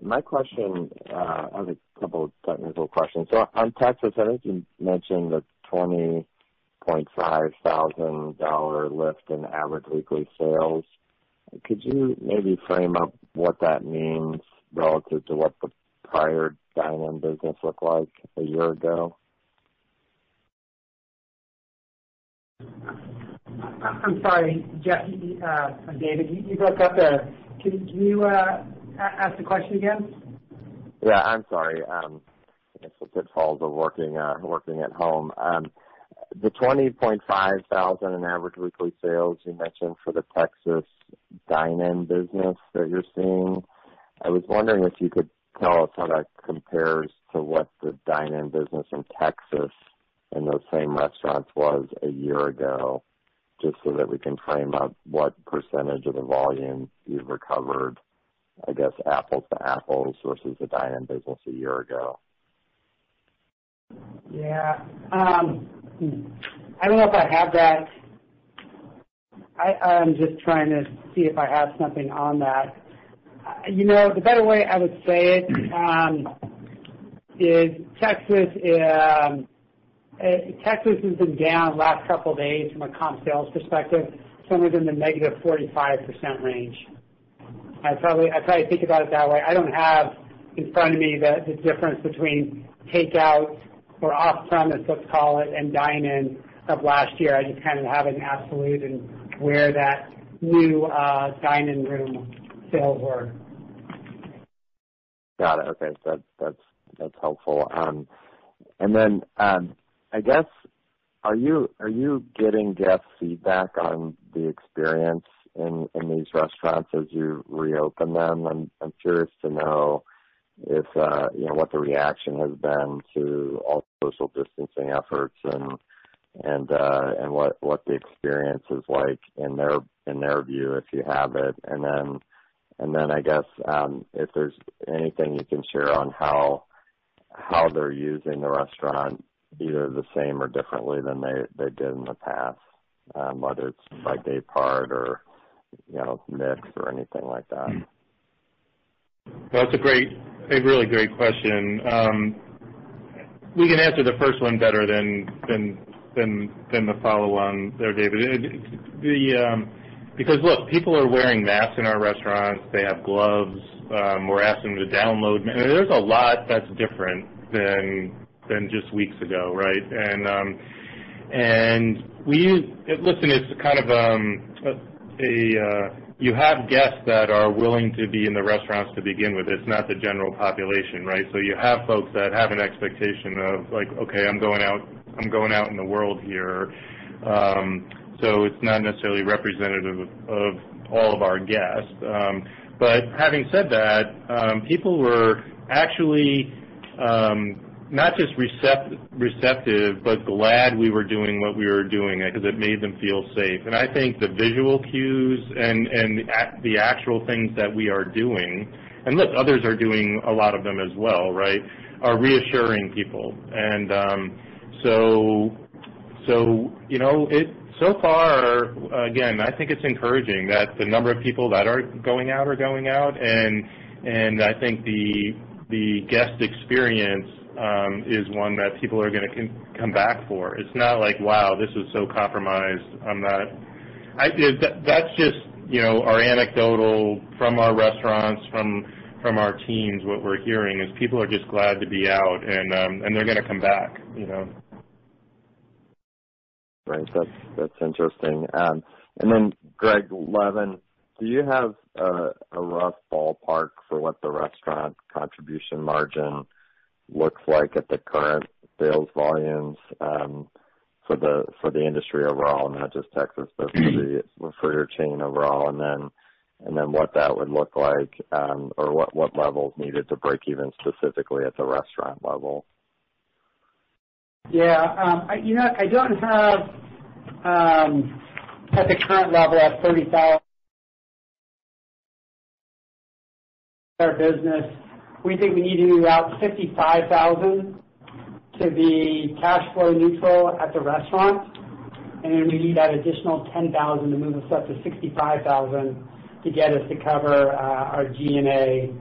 My question, I have a couple technical questions. On Texas, I think you mentioned the $20,500 lift in average weekly sales. Could you maybe frame up what that means relative to what the prior dine-in business looked like a year ago? I'm sorry, Jeff, David, you broke up there. Can you ask the question again? Yeah, I'm sorry. It's the pitfalls of working at home. The $20,500 in average weekly sales you mentioned for the Texas dine-in business that you're seeing, I was wondering if you could tell us how that compares to what the dine-in business in Texas in those same restaurants was a year ago, just so that we can frame up what percentage of the volume you've recovered, I guess, apples to apples versus the dine-in business a year ago. Yeah. I don't know if I have that. I'm just trying to see if I have something on that. The better way I would say it is Texas has been down last couple days from a comp sales perspective, somewhere in the negative 45% range. I'd probably think about it that way. I don't have in front of me the difference between takeout or off-premise, let's call it, and dine-in of last year. I just have an absolute and where that new dine-in room sales were. Got it. Okay. That's helpful. Then, I guess, are you getting guest feedback on the experience in these restaurants as you reopen them? I'm curious to know what the reaction has been to all social distancing efforts and what the experience is like in their view, if you have it. Then, I guess, if there's anything you can share on how they're using the restaurant, either the same or differently than they did in the past, whether it's by day part or mix or anything like that. That's a really great question. We can answer the first one better than the follow-on there, David. Look, people are wearing masks in our restaurants. They have gloves. We're asking them to download, I mean, there's a lot that's different than just weeks ago, right? Listen, you have guests that are willing to be in the restaurants to begin with. It's not the general population, right? You have folks that have an expectation of, "Okay, I'm going out in the world here." It's not necessarily representative of all of our guests. Having said that, people were actually not just receptive, but glad we were doing what we were doing because it made them feel safe. I think the visual cues and the actual things that we are doing, and look, others are doing a lot of them as well, right, are reassuring people. So far, again, I think it's encouraging that the number of people that are going out are going out, and I think the guest experience is one that people are going to come back for. It's not like, "Wow, this is so compromised." That's just our anecdotal from our restaurants, from our teams, what we're hearing, is people are just glad to be out, and they're going to come back. Right. That's interesting. Gregory Levin, do you have a rough ballpark for what the restaurant contribution margin looks like at the current sales volumes for the industry overall, not just Texas, but for your chain overall, and then what that would look like or what levels needed to break even specifically at the restaurant level? Yeah. I don't have at the current level at $30,000 our business. We think we need to be about $55,000 to be cash flow neutral at the restaurant. Then we need that additional $10,000 to move us up to $65,000 to get us to cover our G&A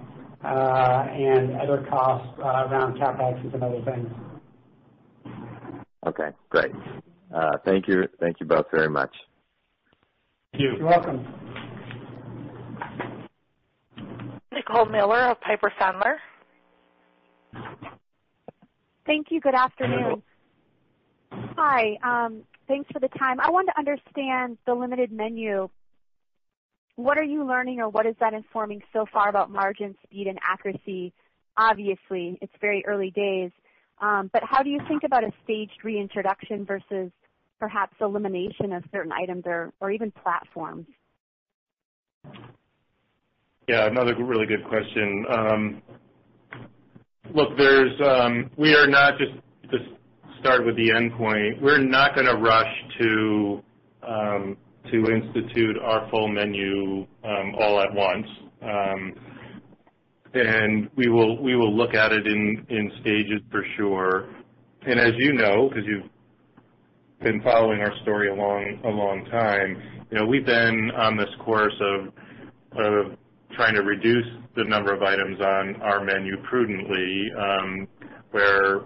and other costs around CapEx and some other things. Okay, great. Thank you both very much. Thank you. You're welcome. Nicole Miller of Piper Sandler. Thank you. Good afternoon. Hi. Thanks for the time. I wanted to understand the limited menu. What are you learning or what is that informing so far about margin speed and accuracy? Obviously, it's very early days. How do you think about a staged reintroduction versus perhaps elimination of certain items or even platforms? Yeah, another really good question. To start with the end point, we're not going to rush to institute our full menu all at once. We will look at it in stages for sure. As you know, because you've been following our story a long time, we've been on this course of trying to reduce the number of items on our menu prudently, where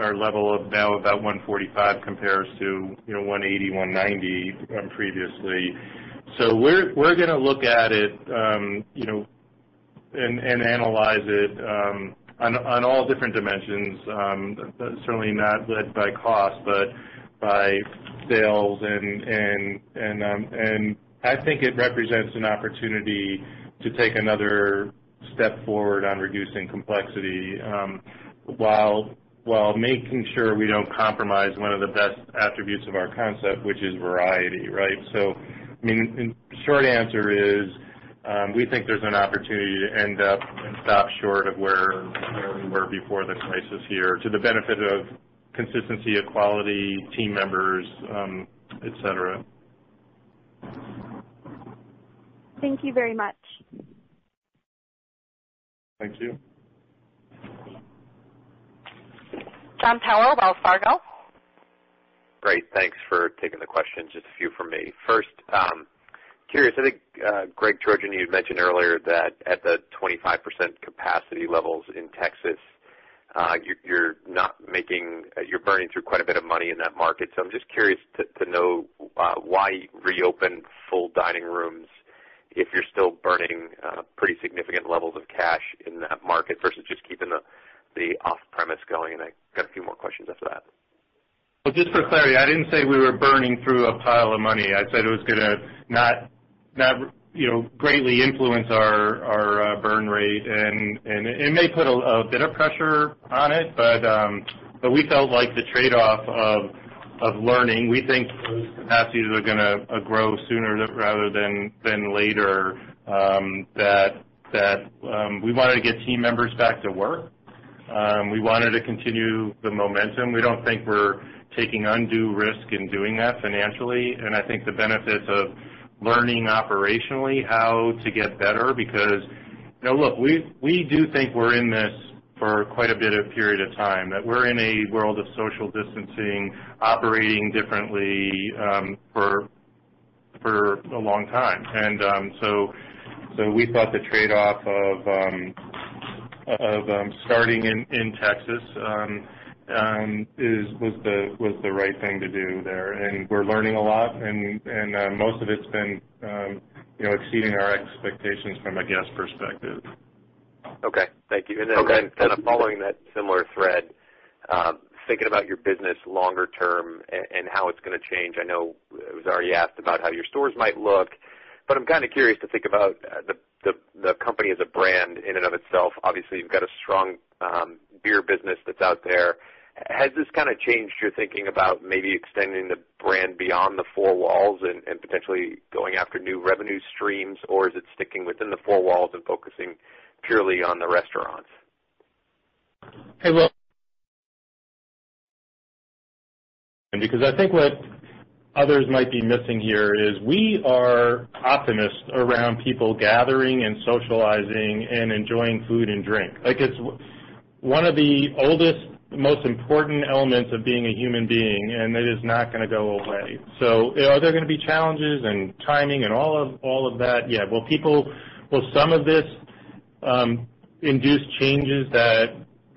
our level of now about 145 compares to 180, 190 previously. We're going to look at it and analyze it on all different dimensions. Certainly not led by cost, but by sales, and I think it represents an opportunity to take another step forward on reducing complexity, while making sure we don't compromise one of the best attributes of our concept, which is variety, right? The short answer is, we think there's an opportunity to end up and stop short of where we were before the crisis here to the benefit of consistency, of quality team members, et cetera. Thank you very much. Thank you. John Powell, Wells Fargo. Great. Thanks for taking the question. Just a few from me. First, curious, I think, Gregory Trojan, you had mentioned earlier that at the 25% capacity levels in Texas, you're burning through quite a bit of money in that market. I'm just curious to know why reopen full dining rooms if you're still burning pretty significant levels of cash in that market versus just keeping the off-premise going. I got a few more questions after that. Well, just for clarity, I didn't say we were burning through a pile of money. I said it was going to not greatly influence our burn rate. It may put a bit of pressure on it, but we felt like the trade-off of learning, we think those capacities are going to grow sooner rather than later, that we wanted to get team members back to work. We wanted to continue the momentum. We don't think we're taking undue risk in doing that financially. I think the benefits of learning operationally how to get better. Now, look, we do think we're in this for quite a bit of period of time, that we're in a world of social distancing, operating differently, for a long time. We thought the trade-off of starting in Texas was the right thing to do there. We're learning a lot, and most of it's been exceeding our expectations from a guest perspective. Okay. Thank you. Okay. Following that similar thread, thinking about your business longer term and how it's going to change. I know it was already asked about how your stores might look, but I'm curious to think about the company as a brand in and of itself. Obviously, you've got a strong beer business that's out there. Has this changed your thinking about maybe extending the brand beyond the four walls and potentially going after new revenue streams? Is it sticking within the four walls and focusing purely on the restaurants? Hey, look. I think what others might be missing here is we are optimists around people gathering and socializing and enjoying food and drink. Like it's one of the oldest, most important elements of being a human being, and it is not going to go away. Are there going to be challenges and timing and all of that? Yeah. Will some of this induce changes that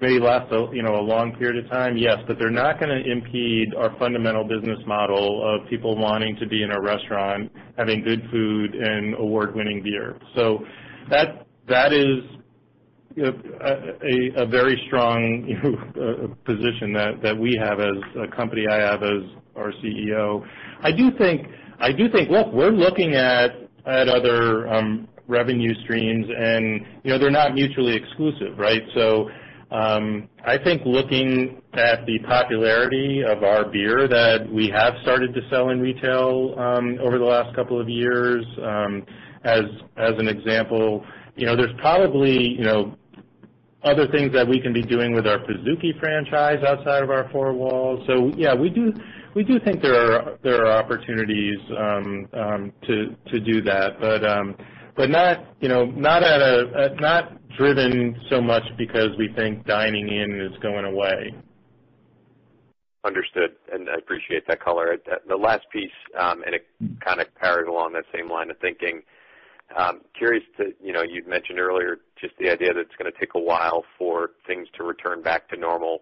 may last a long period of time? Yes. They're not going to impede our fundamental business model of people wanting to be in a restaurant, having good food, and award-winning beer. That is a very strong position that we have as a company, I have as our CEO. Look, we're looking at other revenue streams, and they're not mutually exclusive. I think looking at the popularity of our beer that we have started to sell in retail over the last couple of years, as an example, there's probably other things that we can be doing with our Pizookie franchise outside of our four walls. Yeah, we do think there are opportunities to do that. Not driven so much because we think dining in is going away. Understood. I appreciate that color. The last piece, it kind of parrots along that same line of thinking. You'd mentioned earlier just the idea that it's going to take a while for things to return back to normal.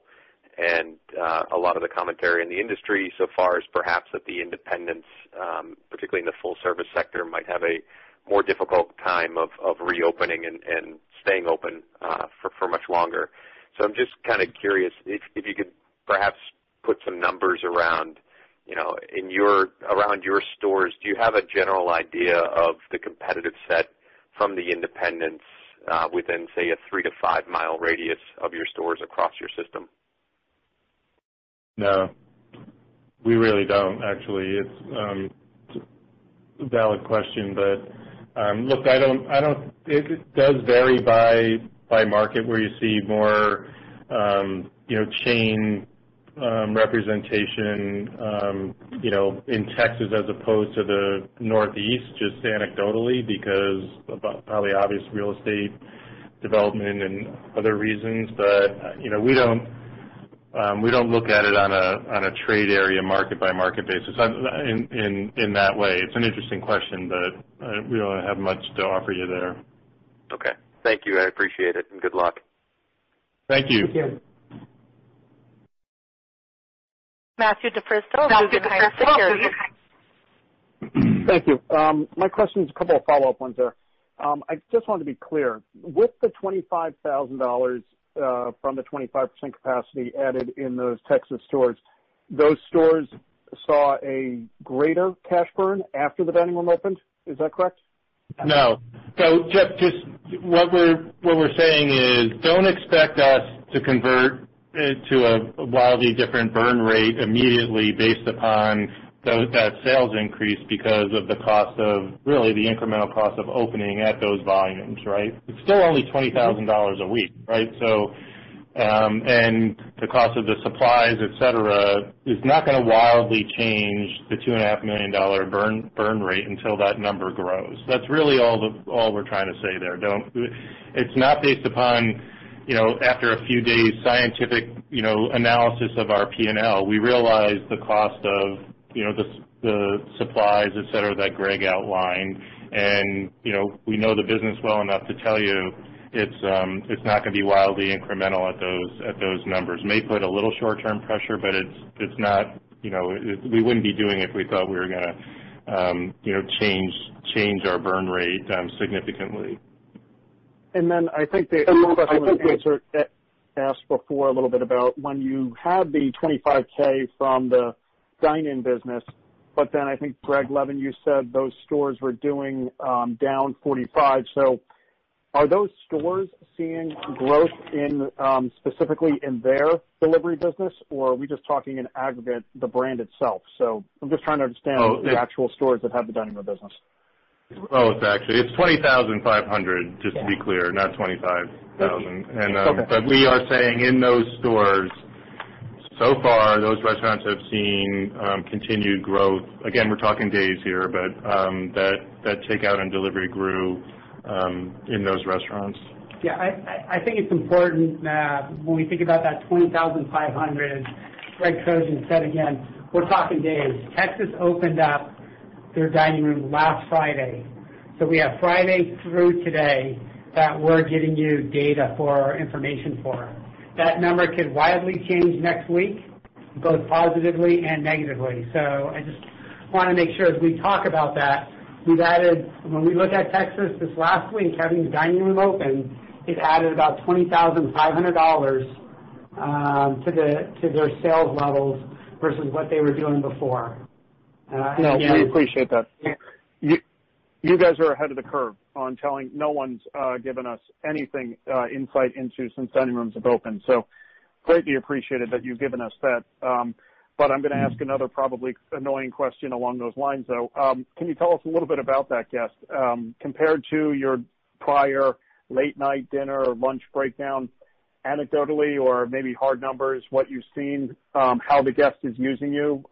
A lot of the commentary in the industry so far is perhaps that the independents, particularly in the full-service sector, might have a more difficult time of reopening and staying open for much longer. I'm just curious if you could perhaps put some numbers around your stores. Do you have a general idea of the competitive set from the independents within, say, a three to five-mile radius of your stores across your system? No. We really don't, actually. It's a valid question, look, it does vary by market where you see more chain representation in Texas as opposed to the Northeast, just anecdotally because of probably obvious real estate development and other reasons. We don't look at it on a trade area market by market basis in that way. It's an interesting question, but we don't have much to offer you there. Okay. Thank you, I appreciate it, and good luck. Thank you. Matthew DiFrisco, Guggenheim Securities Thank you. My question is a couple of follow-up ones there. I just wanted to be clear. With the $25,000 from the 25% capacity added in those Texas stores, those stores saw a greater cash burn after the dining room opened. Is that correct? No. Just what we're saying is don't expect us to convert to a wildly different burn rate immediately based upon that sales increase because of the incremental cost of opening at those volumes. Right? It's still only $20,000 a week. Right? The cost of the supplies, et cetera, is not going to wildly change the $2.5 million burn rate until that number grows. That's really all we're trying to say there. It's not based upon, after a few days, scientific analysis of our P&L. We realize the cost of the supplies, et cetera, that Greg Levin outlined, and we know the business well enough to tell you it's not going to be wildly incremental at those numbers. It may put a little short-term pressure, but we wouldn't be doing it if we thought we were going to change our burn rate significantly. I think the other question was asked before a little bit about when you had the $25,000 from the dine-in business. I think, Gregory Levin, you said those stores were doing down 45%. Are those stores seeing growth specifically in their delivery business, or are we just talking in aggregate the brand itself? I'm just trying to understand the actual stores that have the dine-in business. Well, it's actually $20,500 just to be clear, not $25,000. Okay. We are saying in those stores, so far, those restaurants have seen continued growth. Again, we're talking days here, but that takeout and delivery grew in those restaurants. Yeah, I think it's important, Matt, when we think about that $20,500, Greg Trojan said again, we're talking days. Texas opened up their dining room last Friday, so we have Friday through today that we're giving you data for our information for. That number could wildly change next week, both positively and negatively. I just want to make sure as we talk about that, when we look at Texas this last week having dining room open, it added about $20,500 to their sales levels versus what they were doing before. We appreciate that. You guys are ahead of the curve on telling. No one's given us any insight into since dining rooms have opened, greatly appreciated that you've given us that. I'm going to ask another probably annoying question along those lines, though. Can you tell us a little bit about that guest? Compared to your prior late-night dinner or lunch breakdown, anecdotally or maybe hard numbers, what you've seen, how the guest is using you,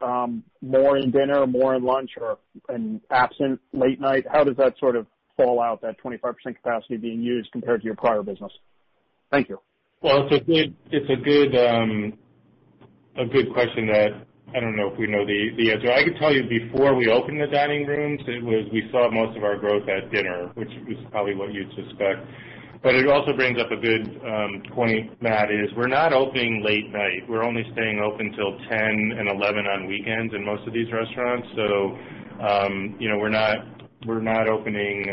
more in dinner, more in lunch, or in absent late night. How does that sort of fall out, that 25% capacity being used compared to your prior business? Thank you. Well, it's a good question that I don't know if we know the answer. I could tell you before we opened the dining rooms, we saw most of our growth at dinner, which is probably what you'd suspect. It also brings up a good point, Matt, is we're not opening late night. We're only staying open till 10:00 and 11:00 on weekends in most of these restaurants. We're not opening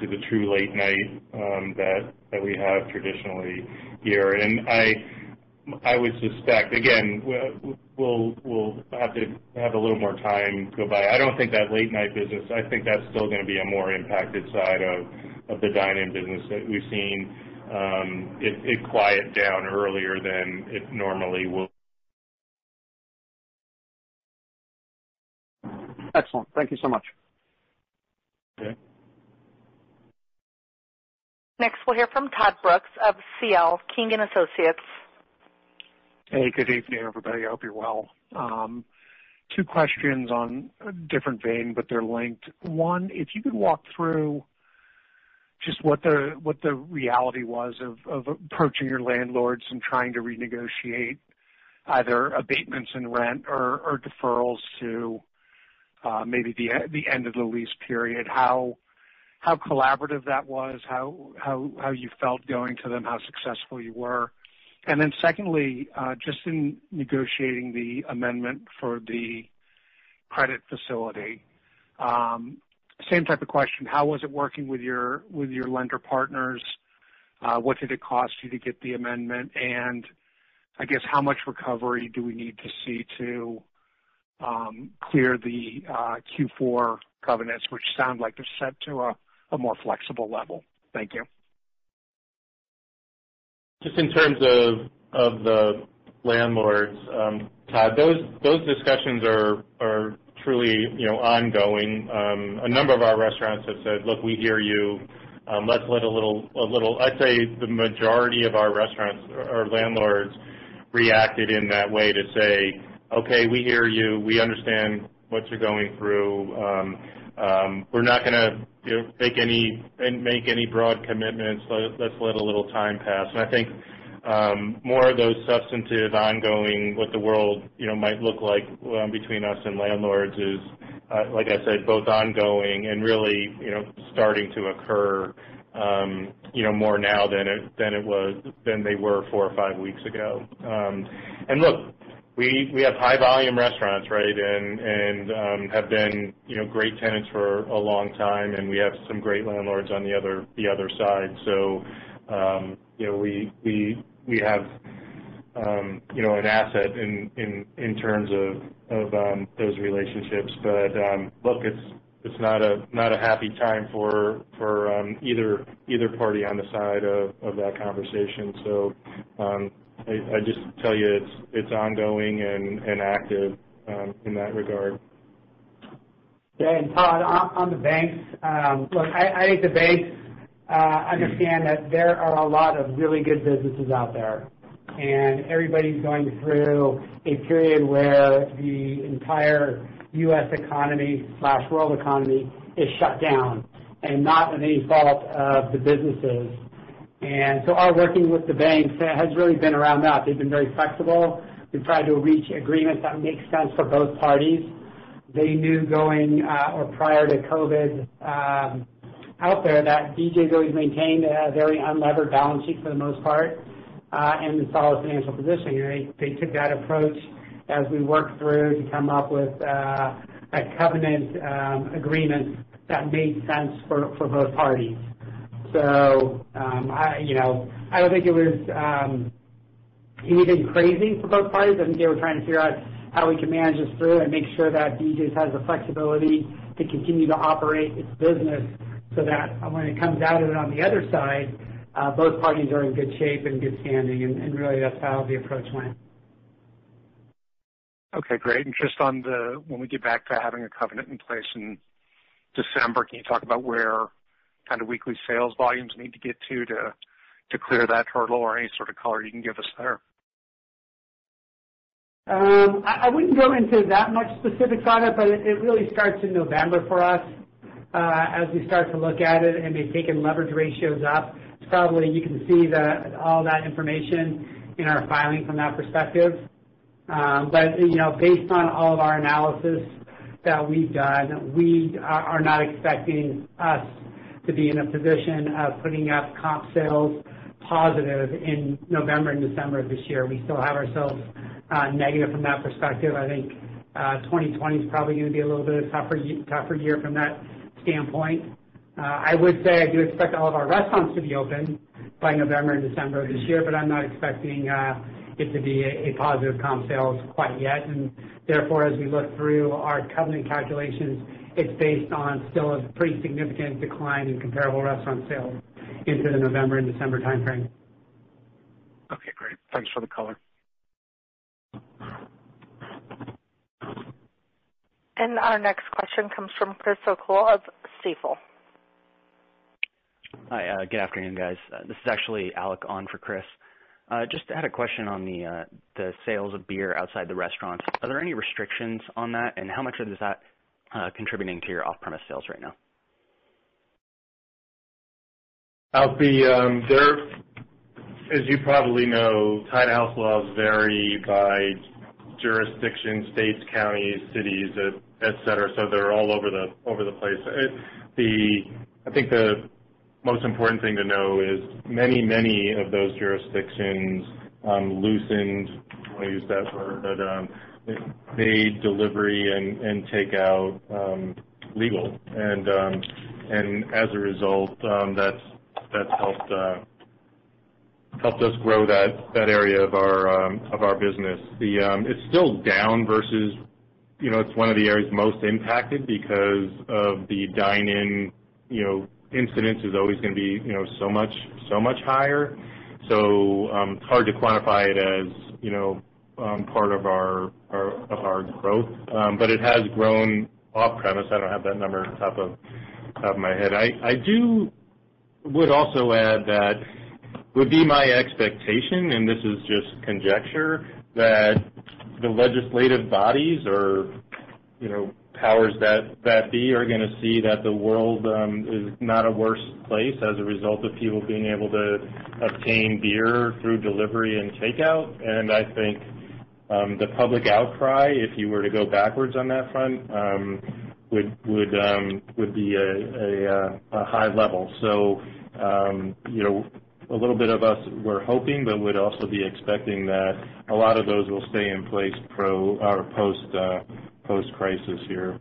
to the true late night that we have traditionally here. I would suspect, again, we'll have to have a little more time go by. I don't think that late-night business, I think that's still going to be a more impacted side of the dine-in business that we've seen it quiet down earlier than it normally will. Excellent. Thank you so much. Okay. Next, we'll hear from Todd Brooks of C.L. King & Associates. Hey, good evening, everybody. I hope you're well. Two questions on a different vein, but they're linked. One, if you could walk through just what the reality was of approaching your landlords and trying to renegotiate either abatements in rent or deferrals to maybe the end of the lease period, how collaborative that was, how you felt going to them, how successful you were. Secondly, just in negotiating the amendment for the credit facility. Same type of question. How was it working with your lender partners? What did it cost you to get the amendment? I guess how much recovery do we need to see to clear the Q4 covenants, which sound like they're set to a more flexible level? Thank you. Just in terms of the landlords, Todd, those discussions are truly ongoing. A number of our restaurants have said, "Look, we hear you." I'd say the majority of our restaurants or landlords reacted in that way to say, "Okay, we hear you. We understand what you're going through. We're not going to make any broad commitments. Let's let a little time pass." I think more of those substantive, ongoing, what the world might look like between us and landlords is, like I said, both ongoing and really starting to occur more now than they were four or five weeks ago. Look, we have high-volume restaurants and have been great tenants for a long time, and we have some great landlords on the other side. We have an asset in terms of those relationships. Look, it's not a happy time for either party on the side of that conversation. I just tell you, it's ongoing and active in that regard. Yeah. Todd, on the banks, look, I think the banks understand that there are a lot of really good businesses out there, and everybody's going through a period where the entire U.S. economy/world economy is shut down, and not of any fault of the businesses. Our working with the banks has really been around that. They've been very flexible. We've tried to reach agreements that make sense for both parties. They knew going, or prior to COVID out there, that BJ's always maintained a very unlevered balance sheet for the most part, and a solid financial position. They took that approach as we worked through to come up with a covenant agreement that made sense for both parties. I don't think it was even crazy for both parties. I think they were trying to figure out how we can manage this through and make sure that BJ's has the flexibility to continue to operate its business so that when it comes out of it on the other side, both parties are in good shape and good standing, and really, that's how the approach went. Okay, great. When we get back to having a covenant in place in December, can you talk about where weekly sales volumes need to get to to clear that hurdle, or any sort of color you can give us there? I wouldn't go into that much specifics on it, but it really starts in November for us, as we start to look at it and be taking leverage ratios up. Probably you can see all that information in our filing from that perspective. Based on all of our analysis that we've done, we are not expecting us to be in a position of putting up comp sales positive in November and December of this year. We still have ourselves negative from that perspective. I think 2020 is probably going to be a little bit of a tougher year from that standpoint. I would say, I do expect all of our restaurants to be open by November and December of this year, but I'm not expecting it to be a positive comp sales quite yet. Therefore, as we look through our covenant calculations, it's based on still a pretty significant decline in comparable restaurant sales into the November and December timeframe. Okay, great. Thanks for the color. Our next question comes from Chris O'Cull of Stifel. Hi. Good afternoon, guys. This is actually Alec on for Chris. Just had a question on the sales of beer outside the restaurants. Are there any restrictions on that, and how much is that contributing to your off-premise sales right now? Alec, as you probably know, tied-house laws vary by jurisdiction, states, counties, cities, et cetera. They're all over the place. I think the most important thing to know is many of those jurisdictions loosened, I don't want to use that word, but made delivery and takeout legal. As a result, that's helped us grow that area of our business. It's still down. It's one of the areas most impacted because of the dine-in incidence is always going to be so much higher. It's hard to quantify it as part of our growth. It has grown off-premise. I don't have that number off the top of my head. I would also add that it would be my expectation, and this is just conjecture, that the legislative bodies or powers that be are going to see that the world is not a worse place as a result of people being able to obtain beer through delivery and takeout. I think, the public outcry, if you were to go backwards on that front, would be a high level. A little bit of us were hoping, but would also be expecting that a lot of those will stay in place post-crisis here.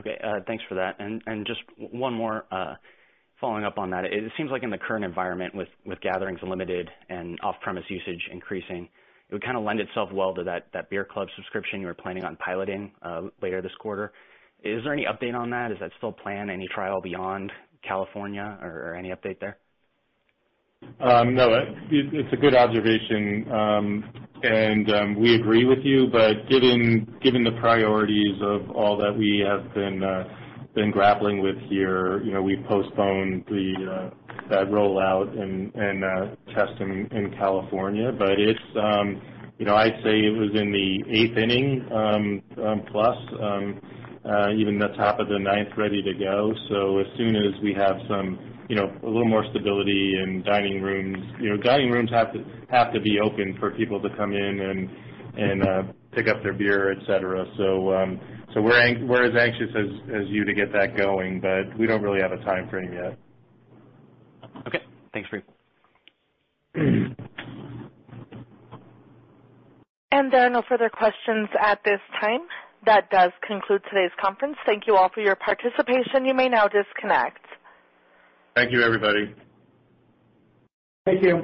Okay, thanks for that. Just one more following up on that. It seems like in the current environment with gatherings limited and off-premise usage increasing, it would lend itself well to that beer club subscription you were planning on piloting later this quarter. Is there any update on that? Is that still planned? Any trial beyond California or any update there? No. It's a good observation. We agree with you. Given the priorities of all that we have been grappling with here, we've postponed that rollout and testing in California. I'd say it was in the eighth inning plus, even the top of the ninth, ready to go as soon as we have a little more stability in dining rooms. Dining rooms have to be open for people to come in and pick up their beer, et cetera. We're as anxious as you to get that going, but we don't really have a timeframe yet. Okay. Thanks for your help. There are no further questions at this time. That does conclude today's conference. Thank you all for your participation. You may now disconnect. Thank you, everybody. Thank you.